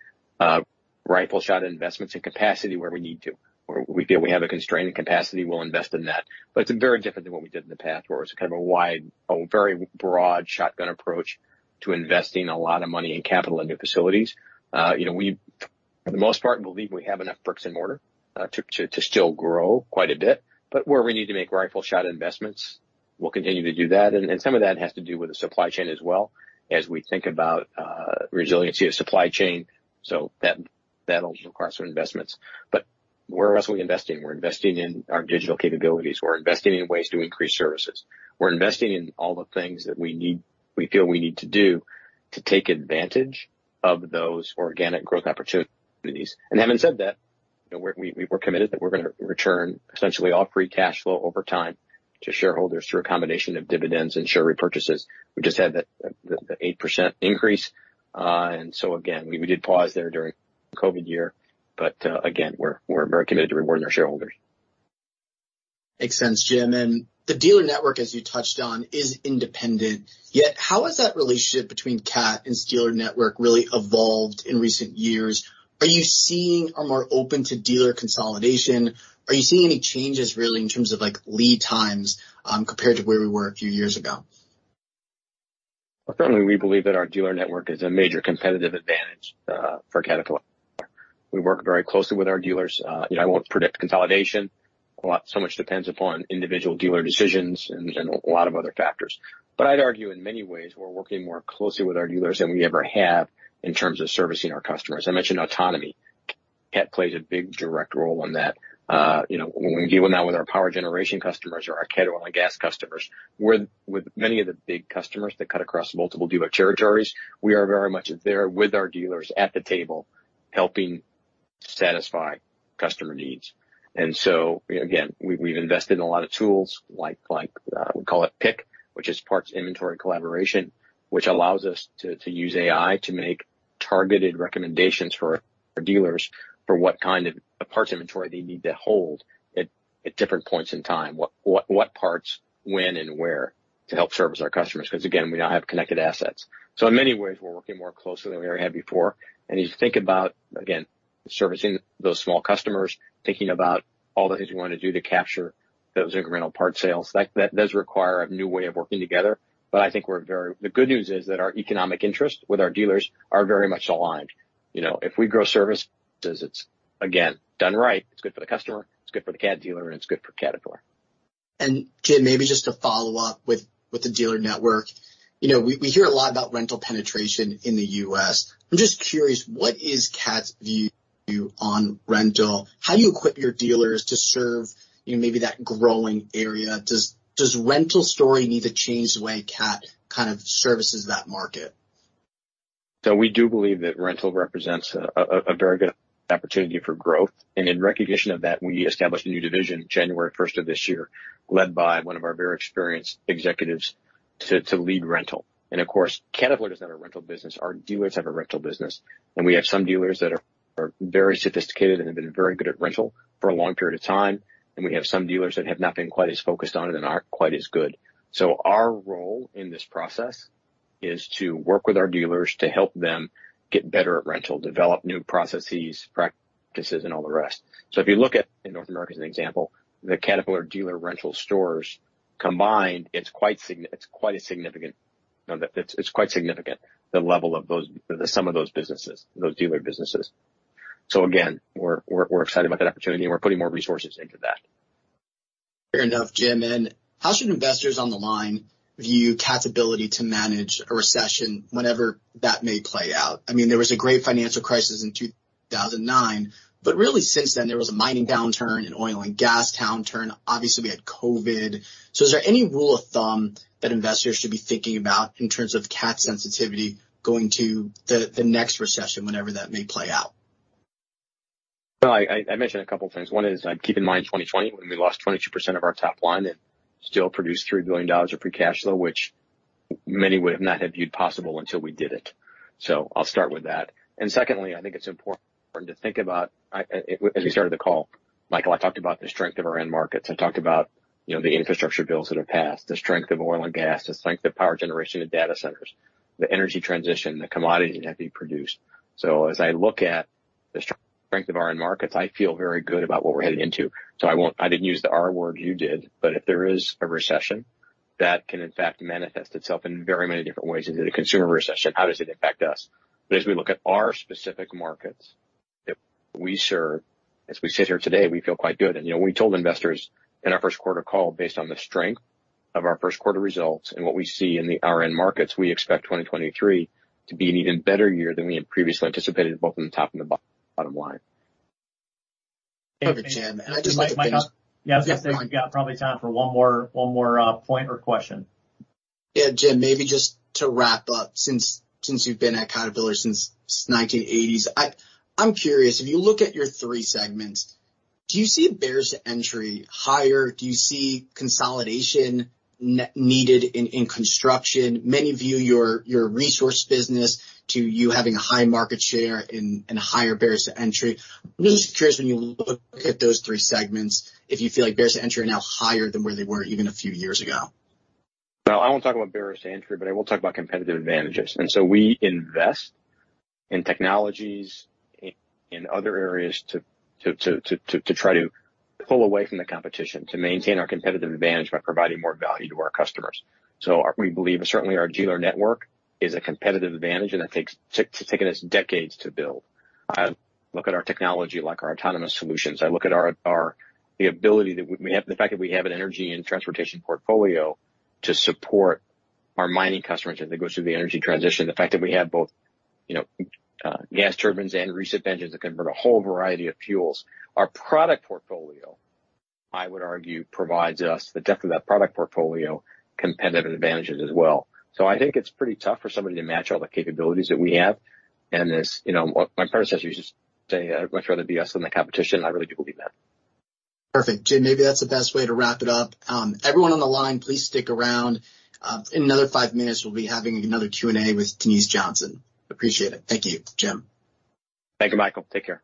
rifle shot investments in capacity where we need to, or we feel we have a constraint in capacity, we'll invest in that. It's very different than what we did in the past, where it was kind of a very broad shotgun approach to investing a lot of money in capital and new facilities. You know, we, for the most part, believe we have enough bricks-and-mortar to still grow quite a bit, but where we need to make rifle shot investments, we'll continue to do that. Some of that has to do with the supply chain as well, as we think about resiliency of supply chain. That, that'll require some investments. Where else are we investing? We're investing in our digital capabilities. We're investing in ways to increase services. We're investing in all the things that we feel we need to do to take advantage of those organic growth opportunities. Having said that, you know, we're, we're committed that we're gonna return essentially all free cash flow over time to shareholders through a combination of dividends and share repurchases. We've just had that 8% increase. Again, we did pause there during the COVID year, but again, we're very committed to rewarding our shareholders. Makes sense, Jim. The dealer network, as you touched on, is independent. Yet, how has that relationship between Cat and dealer network really evolved in recent years? Are you seeing a more open to dealer consolidation? Are you seeing any changes really, in terms of, like, lead times, compared to where we were a few years ago? Certainly we believe that our dealer network is a major competitive advantage for Caterpillar. We work very closely with our dealers. you know, I won't predict consolidation. So much depends upon individual dealer decisions and a lot of other factors. I'd argue in many ways, we're working more closely with our dealers than we ever have in terms of servicing our customers. I mentioned autonomy. Cat plays a big, direct role in that. you know, when we're dealing now with our power generation customers or our oil and gas customers, with many of the big customers that cut across multiple dealer territories, we are very much there with our dealers at the table, helping satisfy customer needs. Again, we've invested in a lot of tools like, we call it PIC, which is Parts Inventory Collaboration, which allows us to use AI to make targeted recommendations for our dealers for what kind of parts inventory they need to hold at different points in time. What parts, when, and where, to help service our customers, because, again, we now have connected assets. In many ways, we're working more closely than we ever had before. If you think about, again, servicing those small customers, thinking about all the things you want to do to capture those incremental part sales, that does require a new way of working together. The good news is that our economic interests with our dealers are very much aligned. You know, if we grow service business, it's again, done right. It's good for the customer, it's good for the Cat dealer, and it's good for Caterpillar. Jim, maybe just to follow-up with the dealer network. You know, we hear a lot about rental penetration in the U.S. I'm just curious, what is Cat's view on rental? How do you equip your dealers to serve, you know, maybe that growing area? Does rental story need to change the way Cat kind of services that market? We do believe that rental represents a very good opportunity for growth, and in recognition of that, we established a new division January first of this year, led by one of our very experienced executives to lead rental. Of course, Caterpillar doesn't have a rental business, our dealers have a rental business. We have some dealers that are very sophisticated and have been very good at rental for a long period of time, and we have some dealers that have not been quite as focused on it and aren't quite as good. Our role in this process is to work with our dealers to help them get better at rental, develop new processes, practices, and all the rest. If you look at North America as an example, the Caterpillar dealer rental stores combined, it's quite significant, the sum of those businesses, those dealer businesses. Again, we're excited about that opportunity, and we're putting more resources into that. Fair enough, Jim. How should investors on the line view Cat's ability to manage a recession whenever that may play out? I mean, there was a great financial crisis in 2009, but really since then, there was a mining downturn, an oil and gas downturn. Obviously, we had COVID. Is there any rule of thumb that investors should be thinking about in terms of Cat sensitivity going to the next recession, whenever that may play out? Well, I mentioned a couple of things. One is, I'd keep in mind 2020, when we lost 22% of our top line and still produced $3 billion of free cash flow, which many would have not had viewed possible until we did it. I'll start with that. Secondly, I think it's important to think about, as we started the call, Michael, I talked about the strength of our end markets. I talked about, you know, the infrastructure bills that have passed, the strength of oil and gas, the strength of power generation and data centers, the energy transition, the commodity that we produce. As I look at the strength of our end markets, I feel very good about what we're heading into. I won't. I didn't use the R word, you did. If there is a recession, that can, in fact, manifest itself in very many different ways into the consumer recession, how does it affect us? As we look at our specific markets that we serve, as we sit here today, we feel quite good. You know, we told investors in our first quarter call, based on the strength of our first quarter results and what we see in the RN markets, we expect 2023 to be an even better year than we had previously anticipated, both in the top and the bottom line. Okay, Jim. Yeah, I was gonna say, we've got probably time for one more, one more, point or question. Jim, maybe just to wrap up, since you've been at Caterpillar since 1980s, I'm curious, if you look at your three segments, do you see a barriers to entry higher? Do you see consolidation needed in construction? Many view your Resource business to you having a high market share and a higher barriers to entry. I'm just curious, when you look at those three segments, if you feel like barriers to entry are now higher than where they were even a few years ago. No, I won't talk about barriers to entry, but I will talk about competitive advantages. We invest in technologies in other areas to try to pull away from the competition, to maintain our competitive advantage by providing more value to our customers. We believe certainly our dealer network is a competitive advantage, and that has taken us decades to build. I look at our technology like our autonomous solutions. I look at our the ability that we have the fact that we have an Energy & Transportation portfolio to support our mining customers as they go through the energy transition. The fact that we have both, you know, gas turbines and recip engines that can burn a whole variety of fuels. Our product portfolio, I would argue, provides us the depth of that product portfolio, competitive advantages as well. I think it's pretty tough for somebody to match all the capabilities that we have. As you know, my predecessor used to say, I'd much rather be us than the competition." I really do believe that. Perfect. Jim, maybe that's the best way to wrap it up. Everyone on the line, please stick around. In another 5 minutes, we'll be having another Q&A with Denise Johnson. Appreciate it. Thank you, Jim. Thank you, Michael. Take care.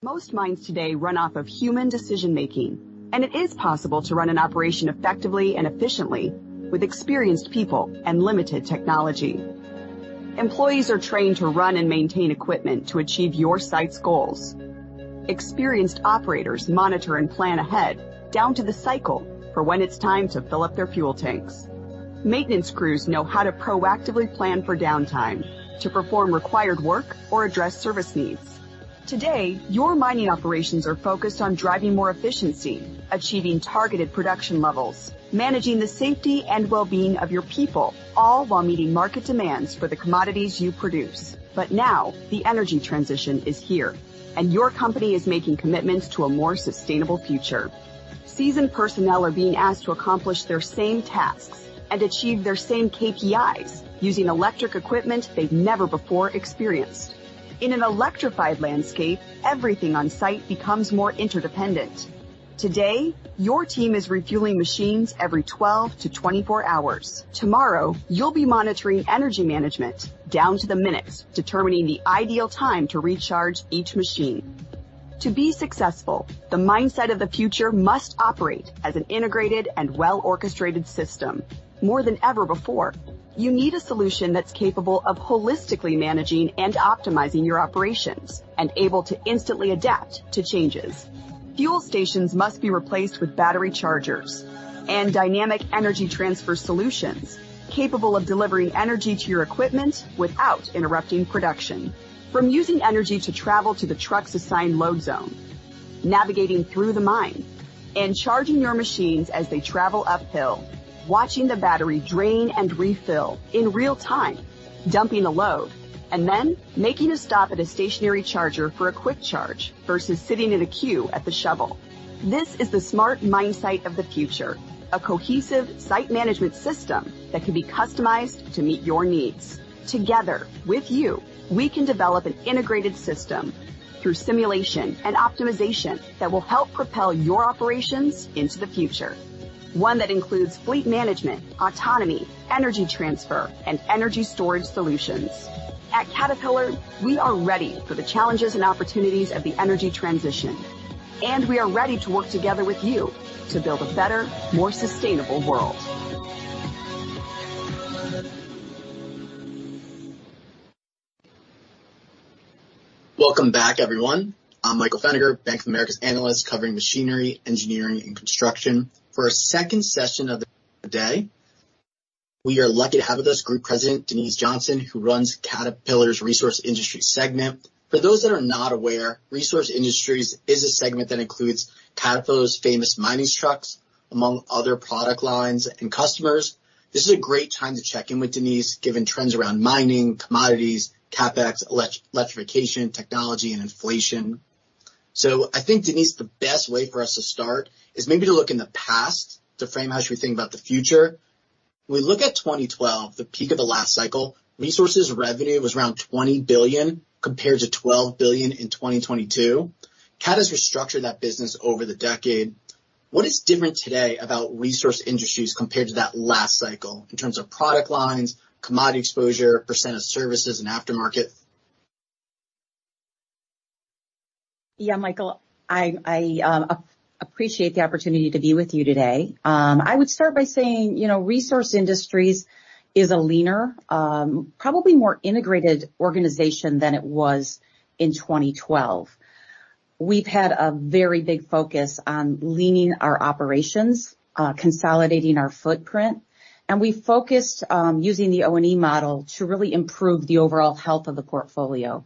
Most mines today run off of human decision-making, and it is possible to run an operation effectively and efficiently with experienced people and limited technology. Employees are trained to run and maintain equipment to achieve your site's goals. Experienced operators monitor and plan ahead, down to the cycle for when it's time to fill up their fuel tanks. Maintenance crews know how to proactively plan for downtime, to perform required work or address service needs. Today, your mining operations are focused on driving more efficiency, achieving targeted production levels, managing the safety and well-being of your people, all while meeting market demands for the commodities you produce. Now, the energy transition is here, and your company is making commitments to a more sustainable future. Seasoned personnel are being asked to accomplish their same tasks and achieve their same KPIs using electric equipment they've never before experienced. In an electrified landscape, everything on site becomes more interdependent. Today, your team is refueling machines every 12-24 hours. Tomorrow, you'll be monitoring energy management down to the minutes, determining the ideal time to recharge each machine. To be successful, the mindset of the future must operate as an integrated and well-orchestrated system. More than ever before, you need a solution that's capable of holistically managing and optimizing your operations and able to instantly adapt to changes. Fuel stations must be replaced with battery chargers and dynamic energy transfer solutions, capable of delivering energy to your equipment without interrupting production. From using energy to travel to the truck's assigned load zone, navigating through the mine, and charging your machines as they travel uphill, watching the battery drain and refill in real time, dumping a load, and then making a stop at a stationary charger for a quick charge versus sitting in a queue at the shovel. This is the smart mine site of the future, a cohesive site management system that can be customized to meet your needs. Together, with you, we can develop an integrated system through simulation and optimization that will help propel your operations into the future. One that includes fleet management, autonomy, energy transfer, and energy storage solutions. At Caterpillar, we are ready for the challenges and opportunities of the energy transition, and we are ready to work together with you to build a better, more sustainable world. Welcome back, everyone. I'm Michael Feniger, Bank of America's analyst, covering Machinery, Engineering, and Construction. For our second session of the day, we are lucky to have with us Group President Denise Johnson, who runs Caterpillar's Resource Industries segment. For those that are not aware, Resource Industries is a segment that includes Caterpillar's famous mining trucks, among other product lines and customers. This is a great time to check in with Denise, given trends around mining, commodities, CapEx, electrification, technology, and inflation. I think, Denise, the best way for us to start is maybe to look in the past to frame how we should think about the future. We look at 2012, the peak of the last cycle, Resources revenue was around $20 billion, compared to $12 billion in 2022. Cat has restructured that business over the decade. What is different today about Resource Industries compared to that last cycle in terms of product lines, commodity exposure, percent of services, and aftermarket? Michael, I appreciate the opportunity to be with you today. I would start by saying, you know, Resource Industries is a leaner, probably more integrated organization than it was in 2012. We've had a very big focus on leaning our operations, consolidating our footprint, and we focused using the O&E model to really improve the overall health of the portfolio.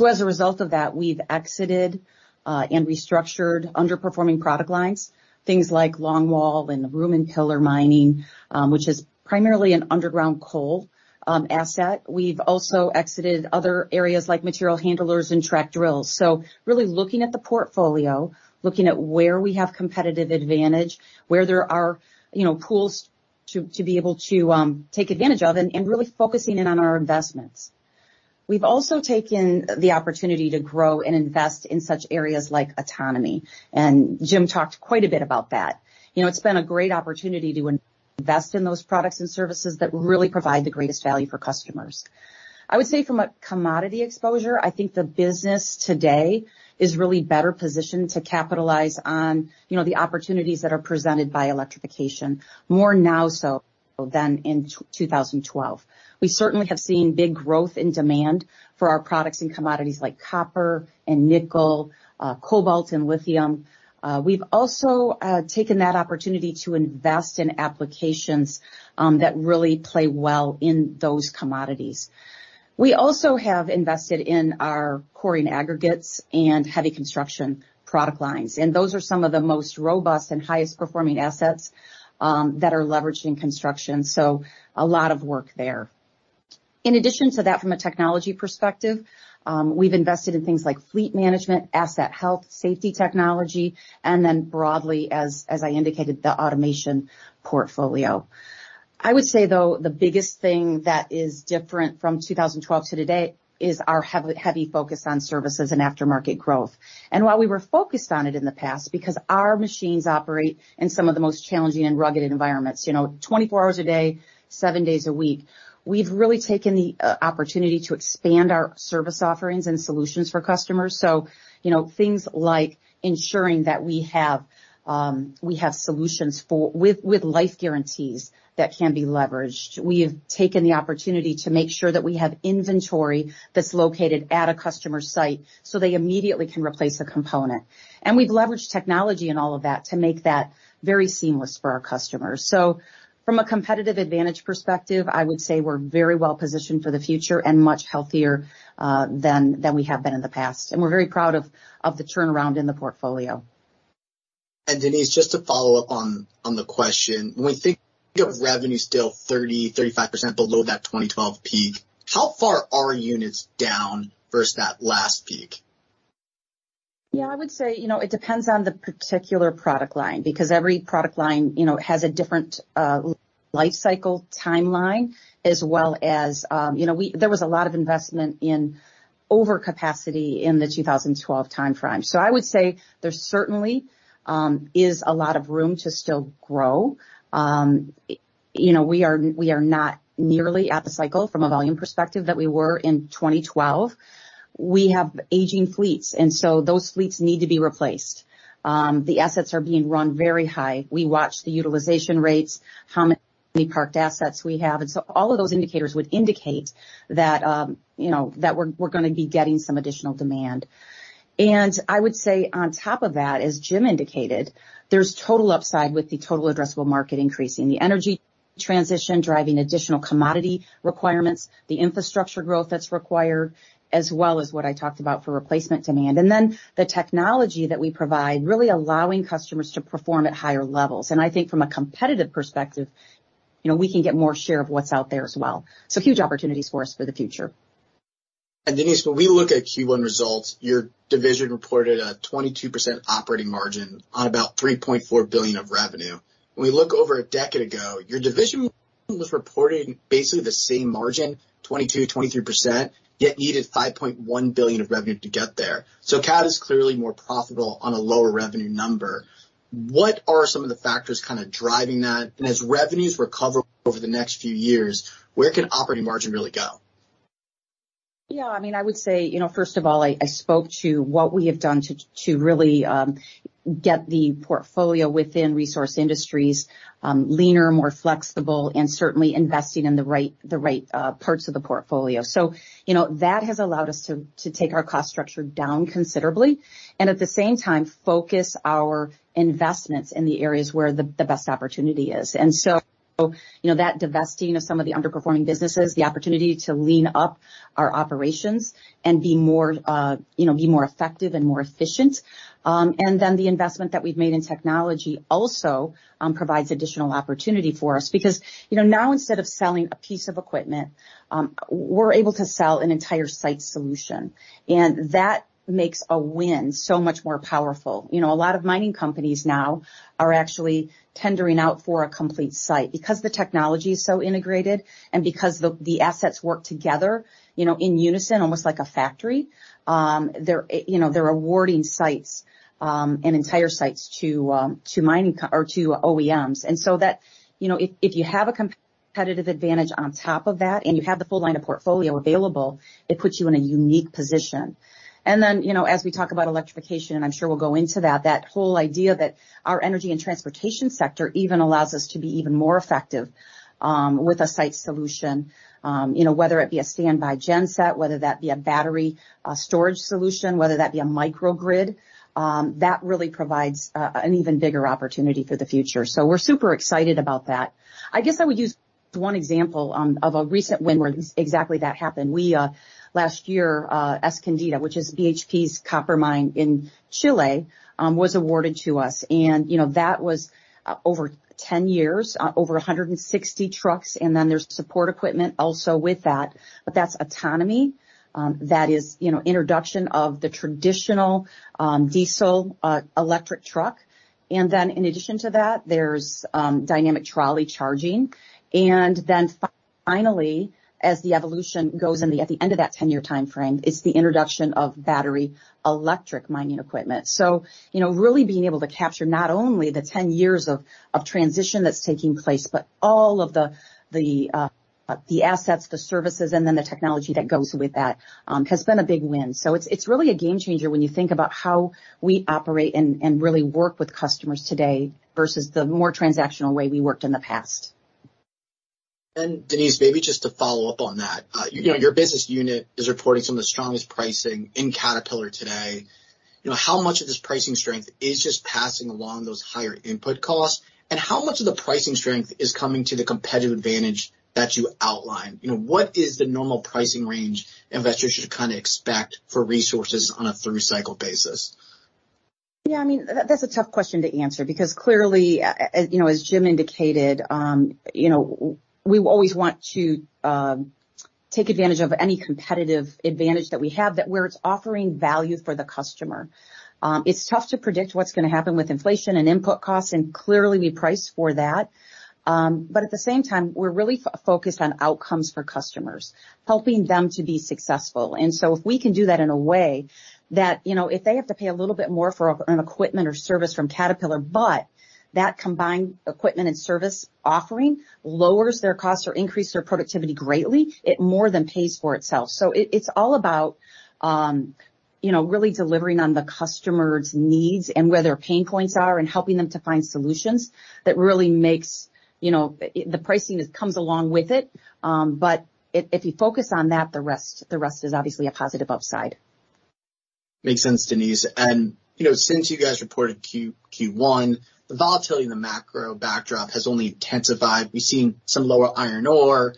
As a result of that, we've exited and restructured underperforming product lines, things like longwall and room and pillar mining, which is primarily an underground coal asset. We've also exited other areas like material handlers and track drills. Really looking at the portfolio, looking at where we have competitive advantage, where there are, you know, pools to be able to take advantage of and really focusing in on our investments. We've also taken the opportunity to grow and invest in such areas like autonomy. Jim talked quite a bit about that. You know, it's been a great opportunity to invest in those products and services that really provide the greatest value for customers. I would say from a commodity exposure, I think the business today is really better positioned to capitalize on, you know, the opportunities that are presented by electrification, more now so than in 2012. We certainly have seen big growth in demand for our products and commodities like copper and nickel, cobalt, and lithium. We've also taken that opportunity to invest in applications that really play well in those commodities. We also have invested in our quarry and aggregates and heavy construction product lines, and those are some of the most robust and highest performing assets, that are leveraged in construction, so a lot of work there. In addition to that, from a technology perspective, we've invested in things like fleet management, asset health, safety technology, and then broadly, as I indicated, the automation portfolio. I would say, though, the biggest thing that is different from 2012 to today is our heavy focus on services and aftermarket growth. While we were focused on it in the past, because our machines operate in some of the most challenging and rugged environments, you know, 24 hours a day, 7 days a week, we've really taken the opportunity to expand our service offerings and solutions for customers. you know, things like ensuring that we have solutions for life guarantees that can be leveraged. We have taken the opportunity to make sure that we have inventory that's loCated at a customer site, so they immediately can replace a component. We've leveraged technology and all of that to make that very seamless for our customers. From a competitive advantage perspective, I would say we're very well positioned for the future and much healthier than we have been in the past. We're very proud of the turnaround in the portfolio. Denise, just to follow-up on the question, when we think of revenue still 30%, 35% below that 2012 peak, how far are units down versus that last peak? Yeah, I would say, you know, it depends on the particular product line, because every product line, you know, has a different life cycle timeline as well as, you know, There was a lot of investment in overcapacity in the 2012 timeframe. I would say there certainly is a lot of room to still grow. You know, we are not nearly at the cycle from a volume perspective that we were in 2012. We have aging fleets. Those fleets need to be replaced. The assets are being run very high. We watch the utilization rates, how many parked assets we have. All of those indicators would indicate that, you know, that we're gonna be getting some additional demand. I would say on top of that, as Jim indicated, there's total upside with the total addressable market increasing, the energy transition, driving additional commodity requirements, the infrastructure growth that's required, as well as what I talked about for replacement demand, and then the technology that we provide, really allowing customers to perform at higher levels. I think from a competitive perspective, you know, we can get more share of what's out there as well. Huge opportunities for us for the future. Denise, when we look at Q1 results, your division reported a 22% operating margin on about $3.4 billion of revenue. When we look over a decade ago, your division was reporting basically the same margin, 22%, 23%, yet needed $5.1 billion of revenue to get there. Cat is clearly more profitable on a lower revenue number. What are some of the factors kind of driving that? As revenues recover over the next few years, where can operating margin really go? Yeah, I mean, I would say, you know, first of all, I spoke to what we have done to really get the portfolio within Resource Industries, leaner, more flexible, and certainly investing in the right, the right parts of the portfolio. You know, that has allowed us to take our cost structure down considerably and, at the same time, focus our investments in the areas where the best opportunity is. You know, that divesting of some of the underperforming businesses, the opportunity to lean up our operations and be more, you know, be more effective and more efficient. The investment that we've made in technology also provides additional opportunity for us. You know, now, instead of selling a piece of equipment, we're able to sell an entire site solution, and that makes a win so much more powerful. You know, a lot of mining companies now are actually tendering out for a complete site. The technology is so integrated and because the assets work together, you know, in unison, almost like a factory, they're, you know, they're awarding sites and entire sites to or to OEMs. That, you know, if you have a competitive advantage on top of that, and you have the full line of portfolio available, it puts you in a unique position. You know, as we talk about electrification, and I'm sure we'll go into that whole idea that our Energy & Transportation even allows us to be even more effective with a site solution. You know, whether it be a standby genset, whether that be a battery, a storage solution, whether that be a microgrid, that really provides an even bigger opportunity for the future. We're super excited about that. I guess I would use one example of a recent win where exactly that happened. We last year Escondida, which is BHP's copper mine in Chile, was awarded to us, and, you know, that was over 10 years, over 160 trucks, and then there's support equipment also with that. That's autonomy. That is, you know, introduction of the traditional diesel electric truck. In addition to that, there's dynamic trolley charging. Finally, as the evolution goes and the, at the end of that 10-year timeframe, it's the introduction of battery electric mining equipment. You know, really being able to capture not only the 10 years of transition that's taking place, but all of the assets, the services, and then the technology that goes with that has been a big win. It's really a game changer when you think about how we operate and really work with customers today versus the more transactional way we worked in the past. Denise, maybe just to follow up on that. You know, your business unit is reporting some of the strongest pricing in Caterpillar today. You know, how much of this pricing strength is just passing along those higher input costs, and how much of the pricing strength is coming to the competitive advantage that you outlined? You know, what is the normal pricing range investors should kind of expect for resources on a through-cycle basis? I mean, that's a tough question to answer because clearly, as you know, as Jim indicated, we always want to take advantage of any competitive advantage that we have that, where it's offering value for the customer. It's tough to predict what's gonna happen with inflation and input costs. Clearly, we price for that. At the same time, we're really focused on outcomes for customers, helping them to be successful. If we can do that in a way that, you know, if they have to pay a little bit more for an equipment or service from Caterpillar, but that combined equipment and service offering lowers their costs or increase their productivity greatly, it more than pays for itself. It's all about, you know, really delivering on the customer's needs and where their pain points are, and helping them to find solutions that really makes, you know. The pricing just comes along with it, but if you focus on that, the rest is obviously a positive upside. You know, since you guys reported Q1, the volatility in the macro backdrop has only intensified. We've seen some lower iron ore,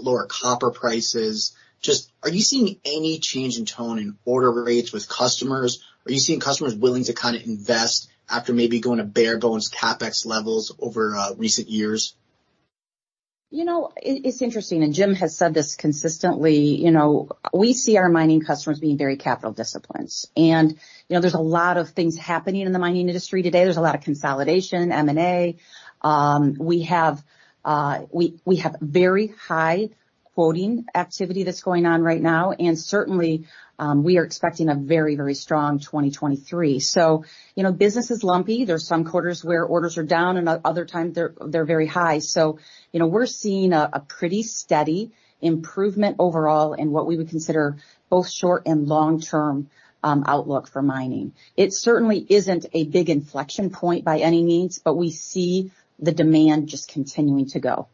lower copper prices. Just, are you seeing any change in tone in order rates with customers? Are you seeing customers willing to kind of invest after maybe going to bare bones CapEx levels over recent years? You know, it's interesting, Jim has said this consistently: you know, we see our mining customers being very capital disciplines. You know, there's a lot of things happening in the mining industry today. There's a lot of consolidation, M&A. We have very high quoting activity that's going on right now, certainly, we are expecting a very, very strong 2023. You know, business is lumpy. There's some quarters where orders are down, and other times they're very high. You know, we're seeing a pretty steady improvement overall in what we would consider both short- and long-term outlook for mining. It certainly isn't a big inflection point by any means, but we see the demand just continuing to go.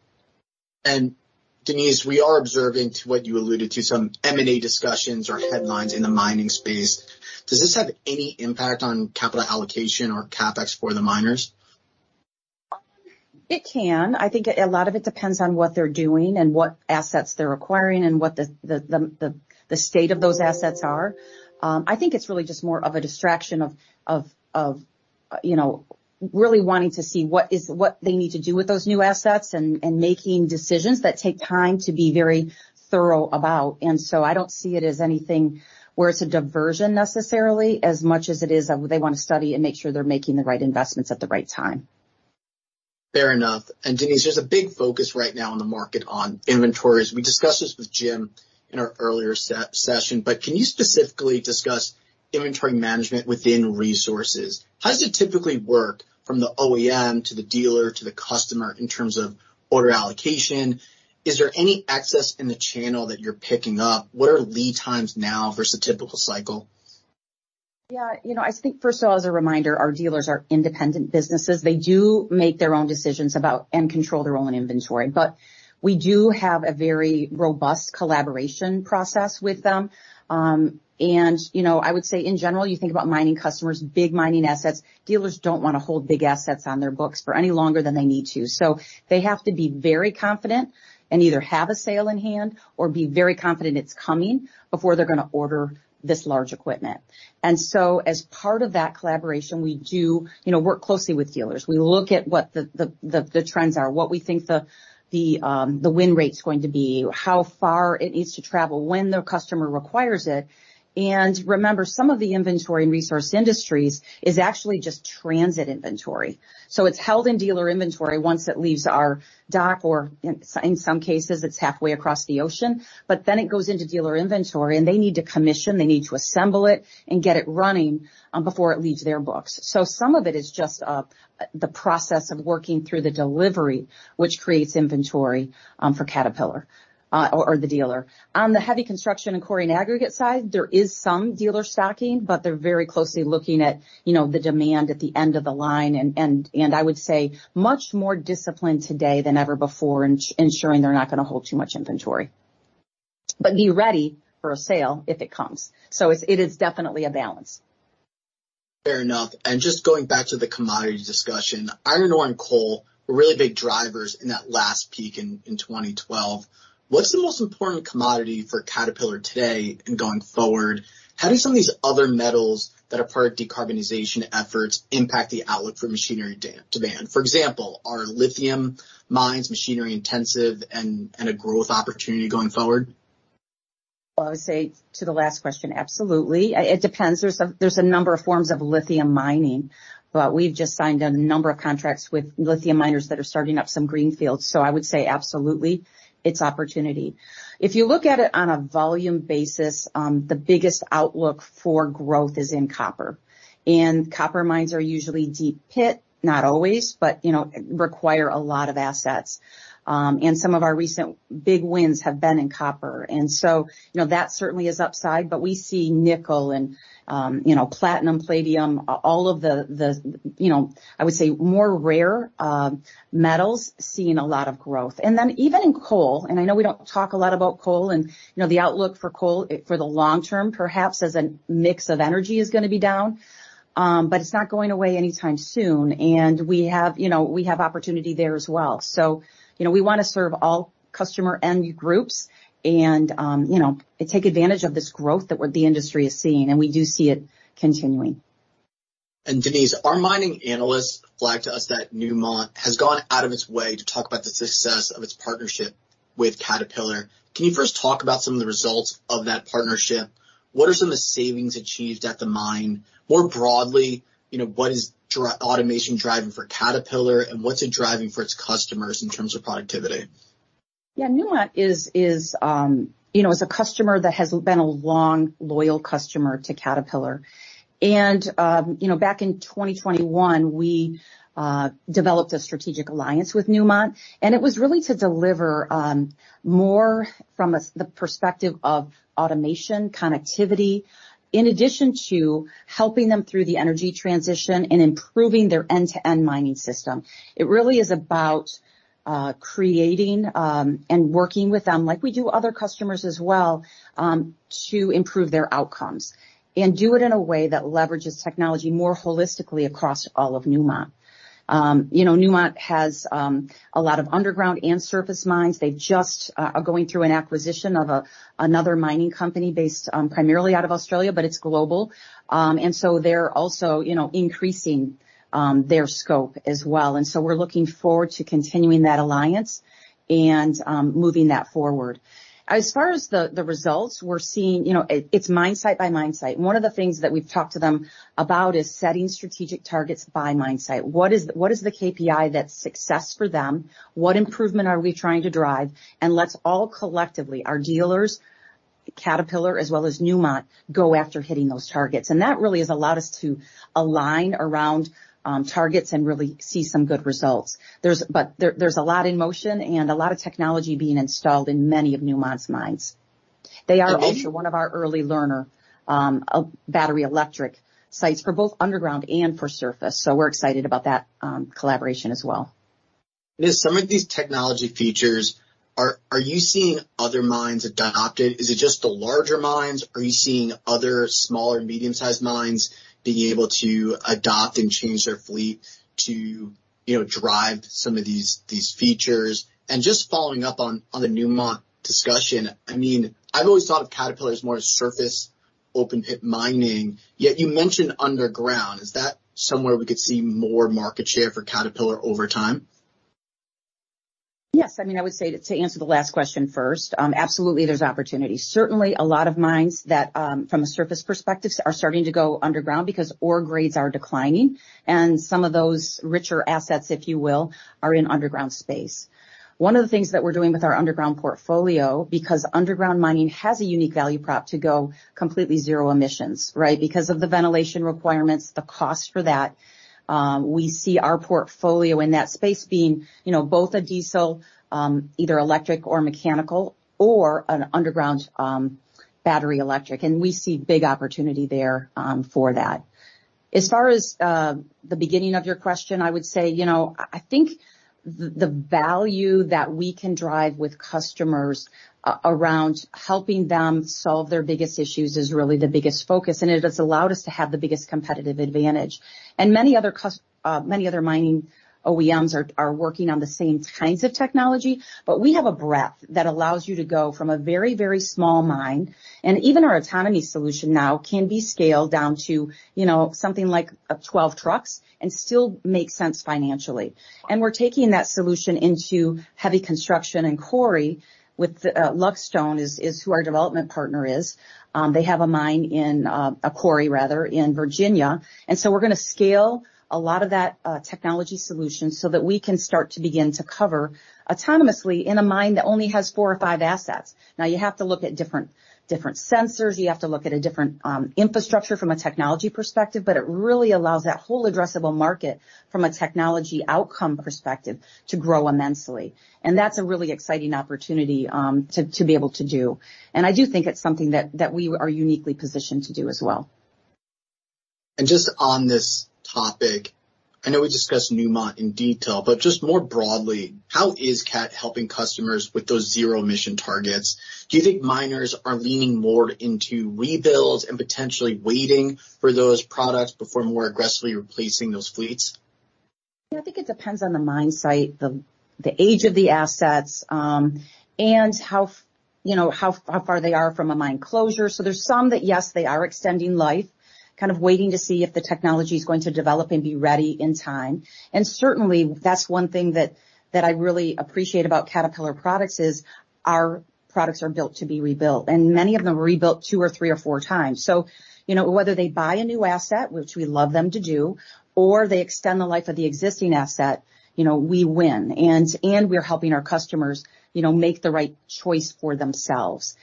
Denise, we are observing to what you alluded to, some M&A discussions or headlines in the mining space. Does this have any impact on capital allocation or CapEx for the miners? It can. I think a lot of it depends on what they're doing and what assets they're acquiring, and what the state of those assets are. I think it's really just more of a distraction of, you know, really wanting to see what they need to do with those new assets and making decisions that take time to be very thorough about. I don't see it as anything where it's a diversion necessarily, as much as it is that they want to study and make sure they're making the right investments at the right time. Fair enough. Denise, there's a big focus right now on the market, on inventories. We discussed this with Jim in our earlier session, but can you specifically discuss inventory management within Resources? How does it typically work from the OEM to the dealer to the customer in terms of order allocation? Is there any excess in the channel that you're picking up? What are lead times now versus the typical cycle? Yeah, you know, I think first of all, as a reminder, our dealers are independent businesses. They do make their own decisions about and control their own inventory. We do have a very robust collaboration process with them. You know, I would say in general, you think about mining customers, big mining assets. Dealers don't want to hold big assets on their books for any longer than they need to. They have to be very confident and either have a sale in hand or be very confident it's coming before they're going to order this large equipment. As part of that collaboration, we do, you know, work closely with dealers. We look at what the trends are, what we think the win rate is going to be, how far it needs to travel, when their customer requires it. Remember, some of the inventory in Resource Industries is actually just transit inventory. It's held in dealer inventory once it leaves our dock, or in some cases, it's halfway across the ocean, but then it goes into dealer inventory, and they need to commission, they need to assemble it and get it running, before it leaves their books. Some of it is just the process of working through the delivery, which creates inventory for Caterpillar, or the dealer. On the heavy construction and quarry and aggregate side, there is some dealer stocking, but they're very closely looking at, you know, the demand at the end of the line, and I would say much more disciplined today than ever before in ensuring they're not going to hold too much inventory. Be ready for a sale if it comes. It's, it is definitely a balance. Fair enough. Just going back to the commodity discussion, iron ore and coal were really big drivers in that last peak in 2012. What's the most important commodity for Caterpillar today and going forward? How do some of these other metals that are part of decarbonization efforts impact the outlook for machinery demand? For example, are lithium mines, machinery intensive and a growth opportunity going forward? Well, I would say to the last question, absolutely. It depends. There's a number of forms of lithium mining, but we've just signed a number of contracts with lithium miners that are starting up some greenfields. I would say absolutely, it's opportunity. If you look at it on a volume basis, the biggest outlook for growth is in copper, and copper mines are usually deep pit, not always, but, you know, require a lot of assets. Some of our recent big wins have been in copper, you know, that certainly is upside. We see nickel and, you know, platinum, palladium, all of the, you know, I would say, more rare metals seeing a lot of growth. Even in coal, and I know we don't talk a lot about coal, and, you know, the outlook for coal for the long term, perhaps as a mix of energy, is going to be down, but it's not going away anytime soon, and we have, you know, we have opportunity there as well. You know, we want to serve all customer end groups and, you know, take advantage of this growth that the industry is seeing, and we do see it continuing. Denise, our Mining Analyst flagged to us that Newmont has gone out of its way to talk about the success of its partnership with Caterpillar. Can you first talk about some of the results of that partnership? What are some of the savings achieved at the mine? More broadly, you know, what is automation driving for Caterpillar, and what's it driving for its customers in terms of productivity? Yeah, Newmont is, you know, a customer that has been a long, loyal customer to Caterpillar. You know, back in 2021, we developed a strategic alliance with Newmont, and it was really to deliver more from the perspective of automation, connectivity, in addition to helping them through the energy transition and improving their end-to-end mining system. It really is about creating and working with them, like we do other customers as well, to improve their outcomes. Do it in a way that leverages technology more holistically across all of Newmont. You know, Newmont has a lot of underground and surface mines. They just are going through an acquisition of another mining company based primarily out of Australia, but it's global. They're also, you know, increasing their scope as well. We're looking forward to continuing that alliance and moving that forward. As far as the results, we're seeing, you know, it's mine site by mine site. One of the things that we've talked to them about is setting strategic targets by mine site. What is the KPI that's success for them? What improvement are we trying to drive? Let's all collectively, our dealers, Caterpillar, as well as Newmont, go after hitting those targets. That really has allowed us to align around targets and really see some good results. There's a lot in motion and a lot of technology being installed in many of Newmont's mines. They are also one of our early learner, battery electric sites for both underground and for surface. We're excited about that, collaboration as well. There's some of these technology features. Are you seeing other mines adopt it? Is it just the larger mines, or are you seeing other smaller, medium-sized mines being able to adopt and change their fleet to, you know, drive some of these features? Just following up on the Newmont discussion, I mean, I've always thought of Caterpillar as more surface open-pit mining, yet you mentioned underground. Is that somewhere we could see more market share for Caterpillar over time? Yes. I mean, I would say, to answer the last question first, absolutely, there's opportunity. Certainly, a lot of mines that, from a surface perspective, are starting to go underground because ore grades are declining, and some of those richer assets, if you will, are in underground space. One of the things that we're doing with our underground portfolio, because underground mining has a unique value prop to go completely zero emissions, right? Because of the ventilation requirements, the cost for that, we see our portfolio in that space being, you know, both a diesel, either electric or mechanical, or an underground, battery electric, and we see big opportunity there, for that. As far as, the beginning of your question, I would say, you know, I think the value that we can drive with customers around helping them solve their biggest issues is really the biggest focus, and it has allowed us to have the biggest competitive advantage. Many other mining OEMs are working on the same kinds of technology, but we have a breadth that allows you to go from a very, very small mine, and even our autonomy solution now can be scaled down to, you know, something like, 12 trucks and still make sense financially. We're taking that solution into Heavy Construction, and Quarry with Luck Stone is who our development partner is. They have a mine in a quarry rather, in Virginia, we're gonna scale a lot of that technology solution so that we can start to begin to cover autonomously in a mine that only has 4 or 5 assets. Now, you have to look at different sensors, you have to look at a different infrastructure from a technology perspective, but it really allows that whole addressable market from a technology outcome perspective to grow immensely. That's a really exciting opportunity to be able to do. I do think it's something that we are uniquely positioned to do as well. Just on this topic, I know we discussed Newmont in detail, but just more broadly, how is Cat helping customers with those zero emission targets? Do you think miners are leaning more into rebuilds and potentially waiting for those products before more aggressively replacing those fleets? Yeah, I think it depends on the mine site, the age of the assets, you know, how far they are from a mine closure. There's some that, yes, they are extending life, kind of waiting to see if the technology is going to develop and be ready in time. Certainly, that's one thing that I really appreciate about Caterpillar products is our products are built to be rebuilt, and many of them are rebuilt 2x or 3x or 4x. You know, whether they buy a new asset, which we love them to do, or they extend the life of the existing asset, you know, we win, and we're helping our customers, you know, make the right choice for themselves.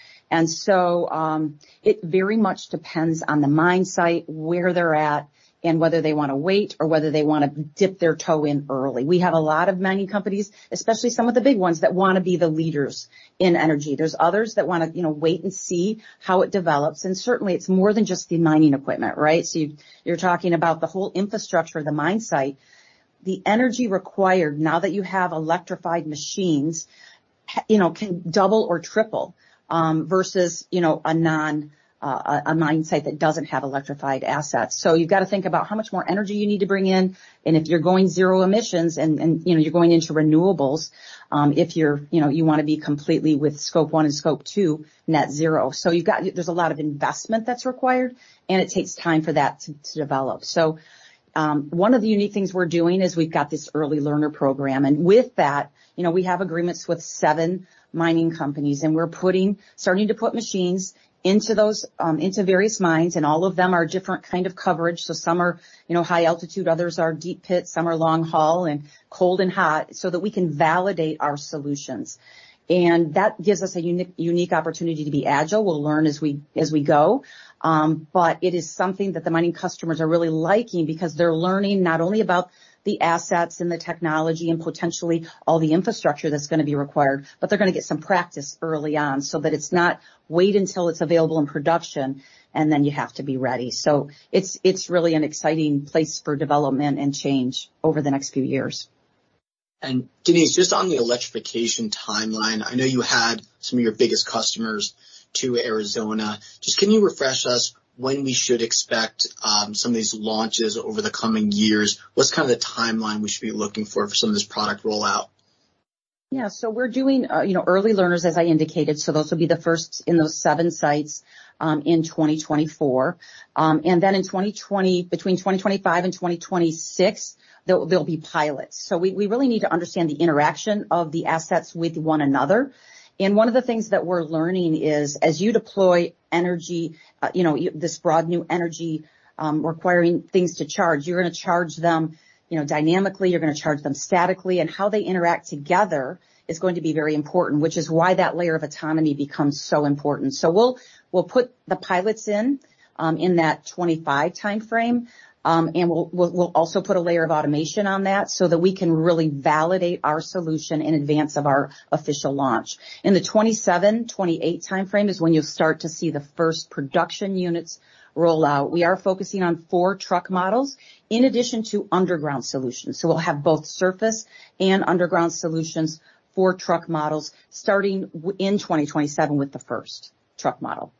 It very much depends on the mine site, where they're at, and whether they wanna wait or whether they wanna dip their toe in early. We have a lot of mining companies, especially some of the big ones, that wanna be the leaders in energy. There's others that wanna, you know, wait and see how it develops, and certainly, it's more than just the mining equipment, right? You're talking about the whole infrastructure of the mine site. The energy required now that you have electrified machines, you know, can double or triple versus, you know, a non mine site that doesn't have electrified assets. You've got to think about how much more energy you need to bring in, and if you're going zero emissions and, you know, you're going into renewables, if you're. you know, you wanna be completely with Scope 1 and Scope 2 net zero. You've got, there's a lot of investment that's required, and it takes time for that to develop. One of the unique things we're doing is we've got this early learner program, and with that, you know, we have agreements with 7 mining companies, and we're starting to put machines into those into various mines, and all of them are different kind of coverage. Some are, you know, high altitude, others are deep pit, some are long haul and cold and hot, so that we can validate our solutions. That gives us a unique opportunity to be agile. We'll learn as we, as we go. It is something that the mining customers are really liking because they're learning not only about the assets and the technology and potentially all the infrastructure that's gonna be required, they're gonna get some practice early on so that it's not wait until it's available in production, and then you have to be ready. It's really an exciting place for development and change over the next few years. Denise, just on the electrification timeline, I know you had some of your biggest customers to Arizona. Just, can you refresh us when we should expect some of these launches over the coming years? What's kind of the timeline we should be looking for for some of this product rollout? Yeah, we're doing, you know, early learners, as I indicated, so those will be the first in those seven sites in 2024. Between 2025 and 2026, there'll be pilots. We really need to understand the interaction of the assets with one another. One of the things that we're learning is as you deploy energy, you know, this broad new energy, requiring things to charge, you're gonna charge them, you know, dynamically, you're gonna charge them statically, and how they interact together is going to be very important, which is why that layer of autonomy becomes so important. We'll put the pilots in that 25 timeframe, we'll also put a layer of automation on that so that we can really validate our solution in advance of our official launch. In the 27, 28 timeframe is when you'll start to see the first production units roll out. We are focusing on 4 truck models in addition to underground solutions. We'll have both surface and underground solutions for truck models starting in 2027 with the first truck model.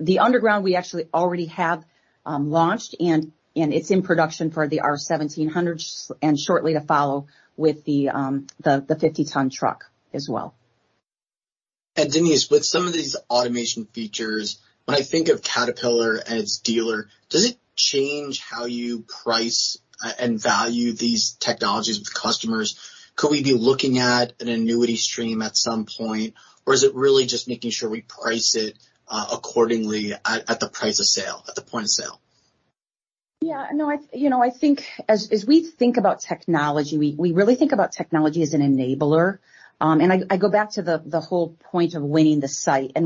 The underground, we actually already have launched, and it's in production for the R1700s and shortly to follow with the 50-ton truck as well. Denise, with some of these automation features, when I think of Caterpillar as a dealer, does it change how you price and value these technologies with customers? Could we be looking at an annuity stream at some point, or is it really just making sure we price it accordingly at the price of sale, at the point of sale? Yeah, no, I, you know, I think as we think about technology, we really think about technology as an enabler. I go back to the whole point of winning the site.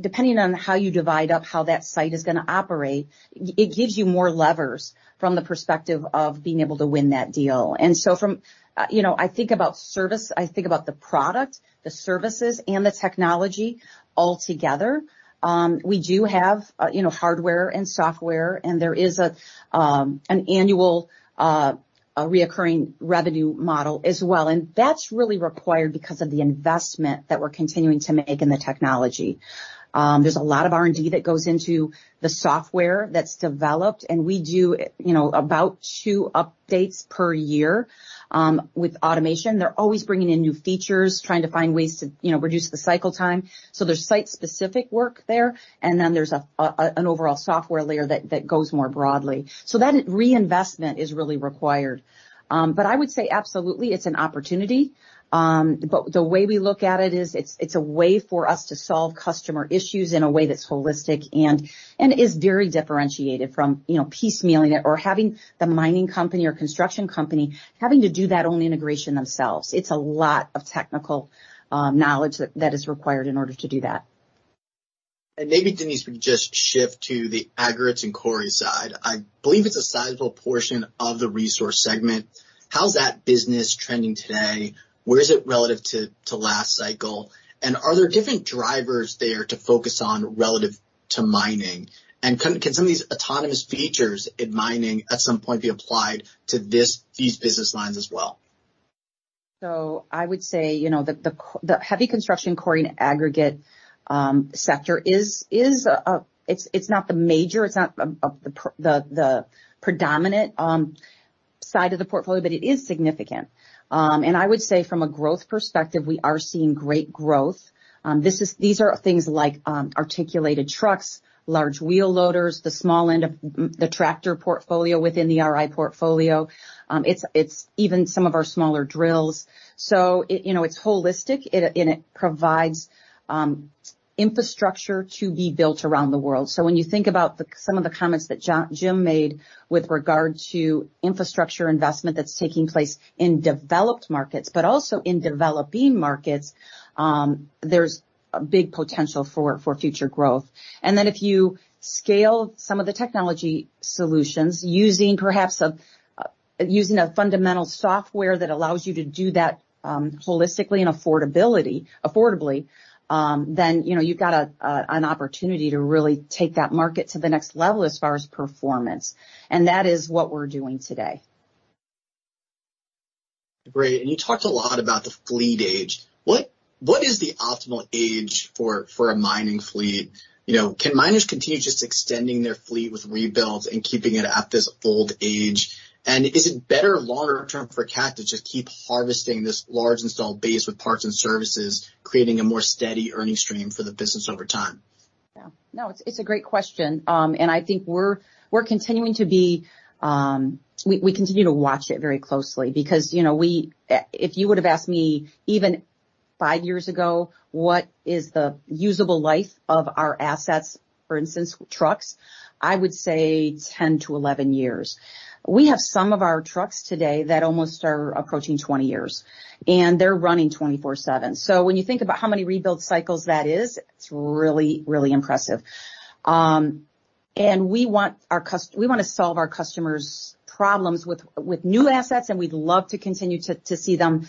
Depending on how you divide up how that site is gonna operate, it gives you more levers from the perspective of being able to win that deal. From, you know, I think about service, I think about the product, the services, and the technology all together. We do have, you know, hardware and software, and there is an annual a recurring revenue model as well, and that's really required because of the investment that we're continuing to make in the technology. There's a lot of R&D that goes into the software that's developed, and we do, you know, about two updates per year. With automation, they're always bringing in new features, trying to find ways to, you know, reduce the cycle time. There's site-specific work there, and then there's an overall software layer that goes more broadly. That reinvestment is really required. I would say absolutely, it's an opportunity. The way we look at it is, it's a way for us to solve customer issues in a way that's holistic and is very differentiated from, you know, piecemealing it or having the mining company or construction company, having to do that own integration themselves. It's a lot of technical knowledge that is required in order to do that. Maybe, Denise, we just shift to the aggregates and quarry side. I believe it's a sizable portion of the Resource segment. How's that business trending today? Where is it relative to last cycle? Are there different drivers there to focus on relative to mining? Can some of these autonomous features in mining at some point be applied to these business lines as well? I would say, you know, the heavy construction quarry and aggregate sector is not the major, not the predominant side of the portfolio, but it is significant. I would say from a growth perspective, we are seeing great growth. These are things like articulated trucks, large wheel loaders, the small end of the tractor portfolio within the RI portfolio. Even some of our smaller drills. It, you know, it's holistic, and it provides infrastructure to be built around the world. When you think about some of the comments that Jim made with regard to infrastructure investment that's taking place in developed markets, but also in developing markets, there's a big potential for future growth. If you scale some of the technology solutions using perhaps a, using a fundamental software that allows you to do that, holistically and affordably, then, you know, you've got an opportunity to really take that market to the next level as far as performance, and that is what we're doing today. Great. You talked a lot about the fleet age. What is the optimal age for a mining fleet? You know, can miners continue just extending their fleet with rebuilds and keeping it at this old age? Is it better longer-term for Cat to just keep harvesting this large installed base with parts and services, creating a more steady earning stream for the business over time? No, it's a great question. I think we're continuing to be. We continue to watch it very closely because, you know, we, if you would've asked me even five years ago, what is the usable life of our assets, for instance, trucks, I would say 10-11 years. We have some of our trucks today that almost are approaching 20 years, and they're running 24/7. When you think about how many rebuild cycles that is, it's really impressive. We want to solve our customers' problems with new assets, and we'd love to continue to see them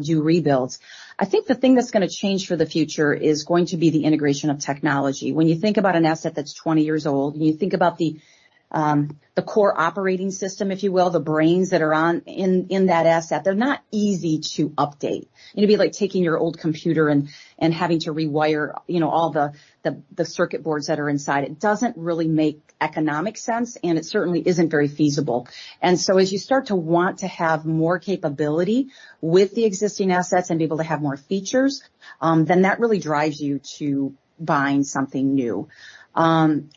do rebuilds. I think the thing that's gonna change for the future is going to be the integration of technology. When you think about an asset that's 20 years old, and you think about the core operating system, if you will, the brains that are in that asset, they're not easy to update. It'd be like taking your old computer and having to rewire, you know, all the circuit boards that are inside it. Doesn't really make economic sense, and it certainly isn't very feasible. As you start to want to have more capability with the existing assets and be able to have more features, then that really drives you to buying something new.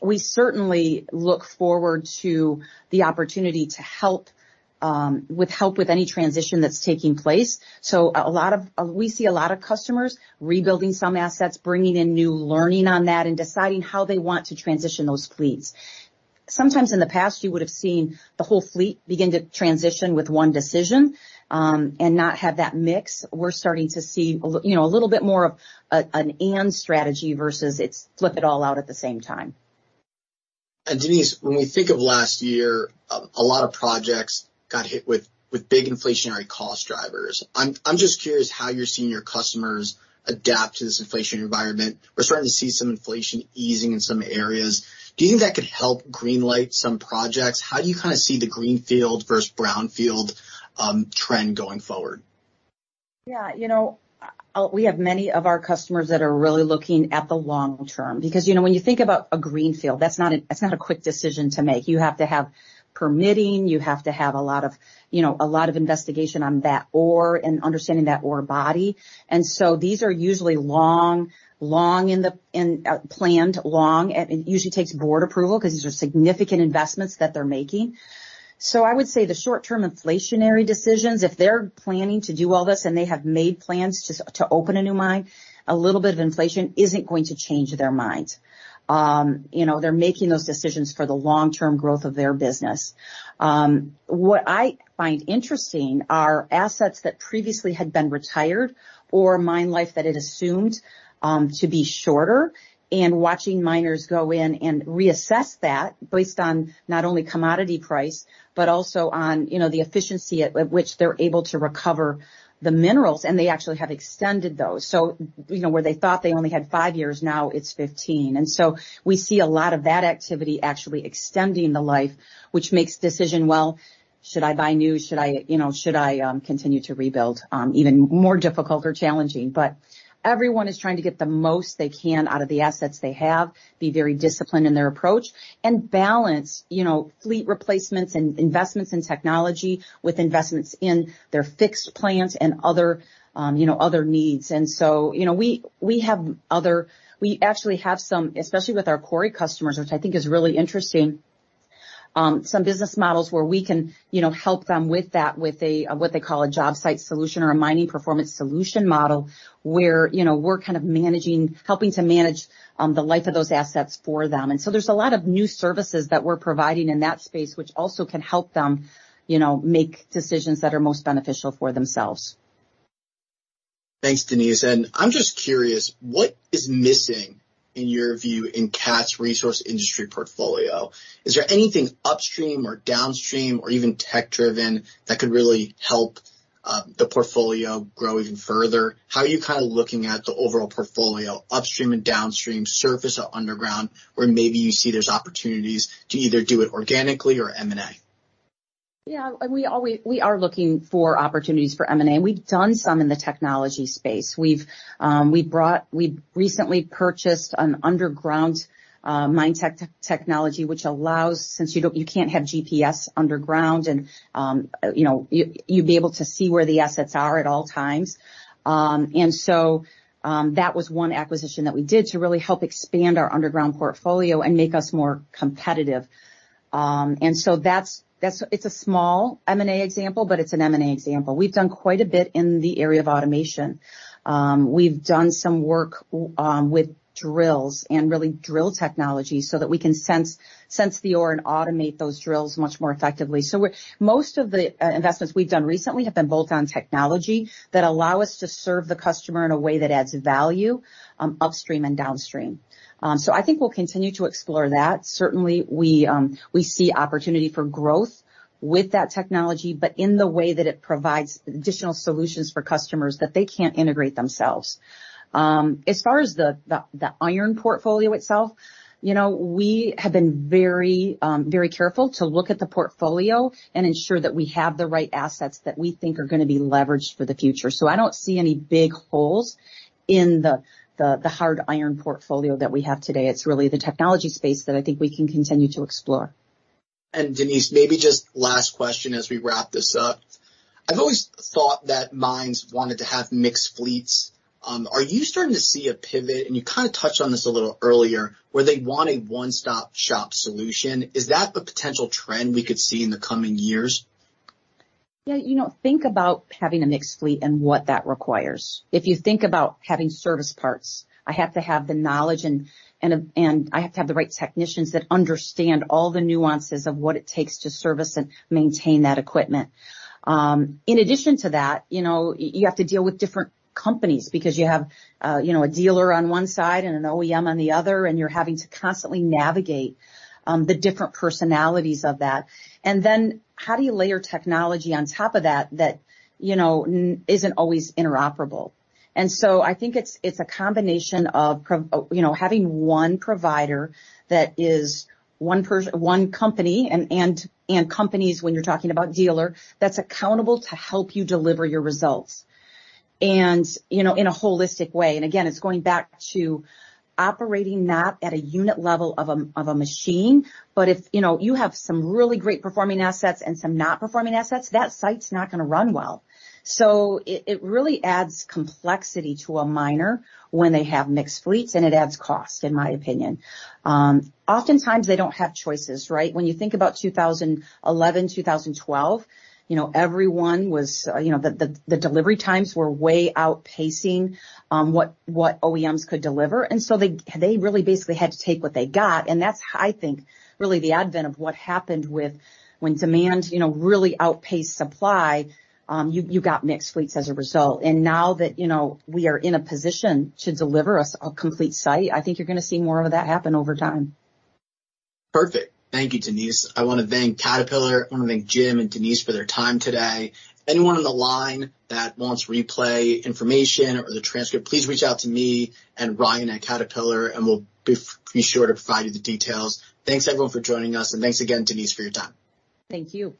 We certainly look forward to the opportunity to help with any transition that's taking place. A lot of. We see a lot of customers rebuilding some assets, bringing in new learning on that, and deciding how they want to transition those fleets. Sometimes in the past, you would have seen the whole fleet begin to transition with one decision, and not have that mix. We're starting to see you know, a little bit more of a, an and strategy versus it's flip it all out at the same time. Denise, when we think of last year, a lot of projects got hit with big inflationary cost drivers. I'm just curious how you're seeing your customers adapt to this inflation environment. We're starting to see some inflation easing in some areas. Do you think that could help greenlight some projects? How do you kind of see the greenfield versus brownfield trend going forward? You know, we have many of our customers that are really looking at the long-term because, you know, when you think about a greenfield, that's not a quick decision to make. You have to have permitting, you have to have a lot of, you know, a lot of investigation on that ore and understanding that ore body. These are usually long in the planned long, and it usually takes board approval because these are significant investments that they're making. I would say the short-term inflationary decisions, if they're planning to do all this, and they have made plans to open a new mine, a little bit of inflation isn't going to change their minds. You know, they're making those decisions for the long-term growth of their business. What I find interesting are assets that previously had been retired or mine life that it assumed to be shorter, and watching miners go in and reassess that based on not only commodity price, but also on, you know, the efficiency at which they're able to recover the minerals, and they actually have extended those. You know, where they thought they only had 5 years, now it's 15. We see a lot of that activity actually extending the life, which makes decision, Well, should I buy new? Should I, you know, should I continue to rebuild? even more difficult or challenging. Everyone is trying to get the most they can out of the assets they have, be very disciplined in their approach, and balance, you know, fleet replacements and investments in technology with investments in their fixed plants and other, you know, other needs. You know, we actually have some, especially with our quarry customers, which I think is really interesting, some business models where we can, you know, help them with that, with a what they call a job site solution or a mining performance solution model, where, you know, we're kind of managing, helping to manage, the life of those assets for them. There's a lot of new services that we're providing in that space, which also can help them, you know, make decisions that are most beneficial for themselves. Thanks, Denise. I'm just curious, what is missing, in your view, in Cat's Resource Industries portfolio? Is there anything upstream or downstream, or even tech-driven, that could really help the portfolio grow even further? How are you kind of looking at the overall portfolio, upstream and downstream, surface or underground, where maybe you see there's opportunities to either do it organically or M&A? Yeah, we are looking for opportunities for M&A. We've done some in the technology space. We've recently purchased an underground mine tech, technology, which allows, since you don't, you can't have GPS underground, you know, you'd be able to see where the assets are at all times. That was one acquisition that we did to really help expand our underground portfolio and make us more competitive. It's a small M&A example, but it's an M&A example. We've done quite a bit in the area of automation. We've done some work with drills and really drill technology so that we can sense the ore and automate those drills much more effectively. Most of the investments we've done recently have been built on technology that allow us to serve the customer in a way that adds value, upstream and downstream. I think we'll continue to explore that. Certainly, we see opportunity for growth with that technology, but in the way that it provides additional solutions for customers that they can't integrate themselves. As far as the iron portfolio itself, you know, we have been very careful to look at the portfolio and ensure that we have the right assets that we think are going to be leveraged for the future. I don't see any big holes in the hard iron portfolio that we have today. It's really the technology space that I think we can continue to explore. Denise, maybe just last question as we wrap this up. I've always thought that mines wanted to have mixed fleets. Are you starting to see a pivot, and you kind of touched on this a little earlier, where they want a one-stop shop solution? Is that a potential trend we could see in the coming years? Yeah, you know, think about having a mixed fleet and what that requires. If you think about having service parts, I have to have the knowledge and I have to have the right technicians that understand all the nuances of what it takes to service and maintain that equipment. In addition to that, you know, you have to deal with different companies because you have, you know, a dealer on one side and an OEM on the other, and you're having to constantly navigate the different personalities of that. How do you layer technology on top of that, you know, isn't always interoperable? I think it's a combination of. You know, having one provider that is one person, one company, and companies, when you're talking about dealer, that's accountable to help you deliver your results, and, you know, in a holistic way. Again, it's going back to operating not at a unit level of a machine, but if, you know, you have some really great performing assets and some not-performing assets, that site's not going to run well. It really adds complexity to a miner when they have mixed fleets, and it adds cost, in my opinion. Oftentimes, they don't have choices, right? When you think about 2011, 2012, you know, everyone was, you know, the delivery times were way outpacing what OEMs could deliver, so they really basically had to take what they got. That's, I think, really the advent of what happened with, when demand, you know, really outpaced supply, you got mixed fleets as a result. Now that, you know, we are in a position to deliver a complete site, I think you're going to see more of that happen over time. Perfect. Thank you, Denise. I want to thank Caterpillar. I want to thank Jim and Denise for their time today. Anyone on the line that wants replay information or the transcript, please reach out to me and Ryan at Caterpillar, and we'll be sure to provide you the details. Thanks, everyone, for joining us, and thanks again, Denise, for your time. Thank you.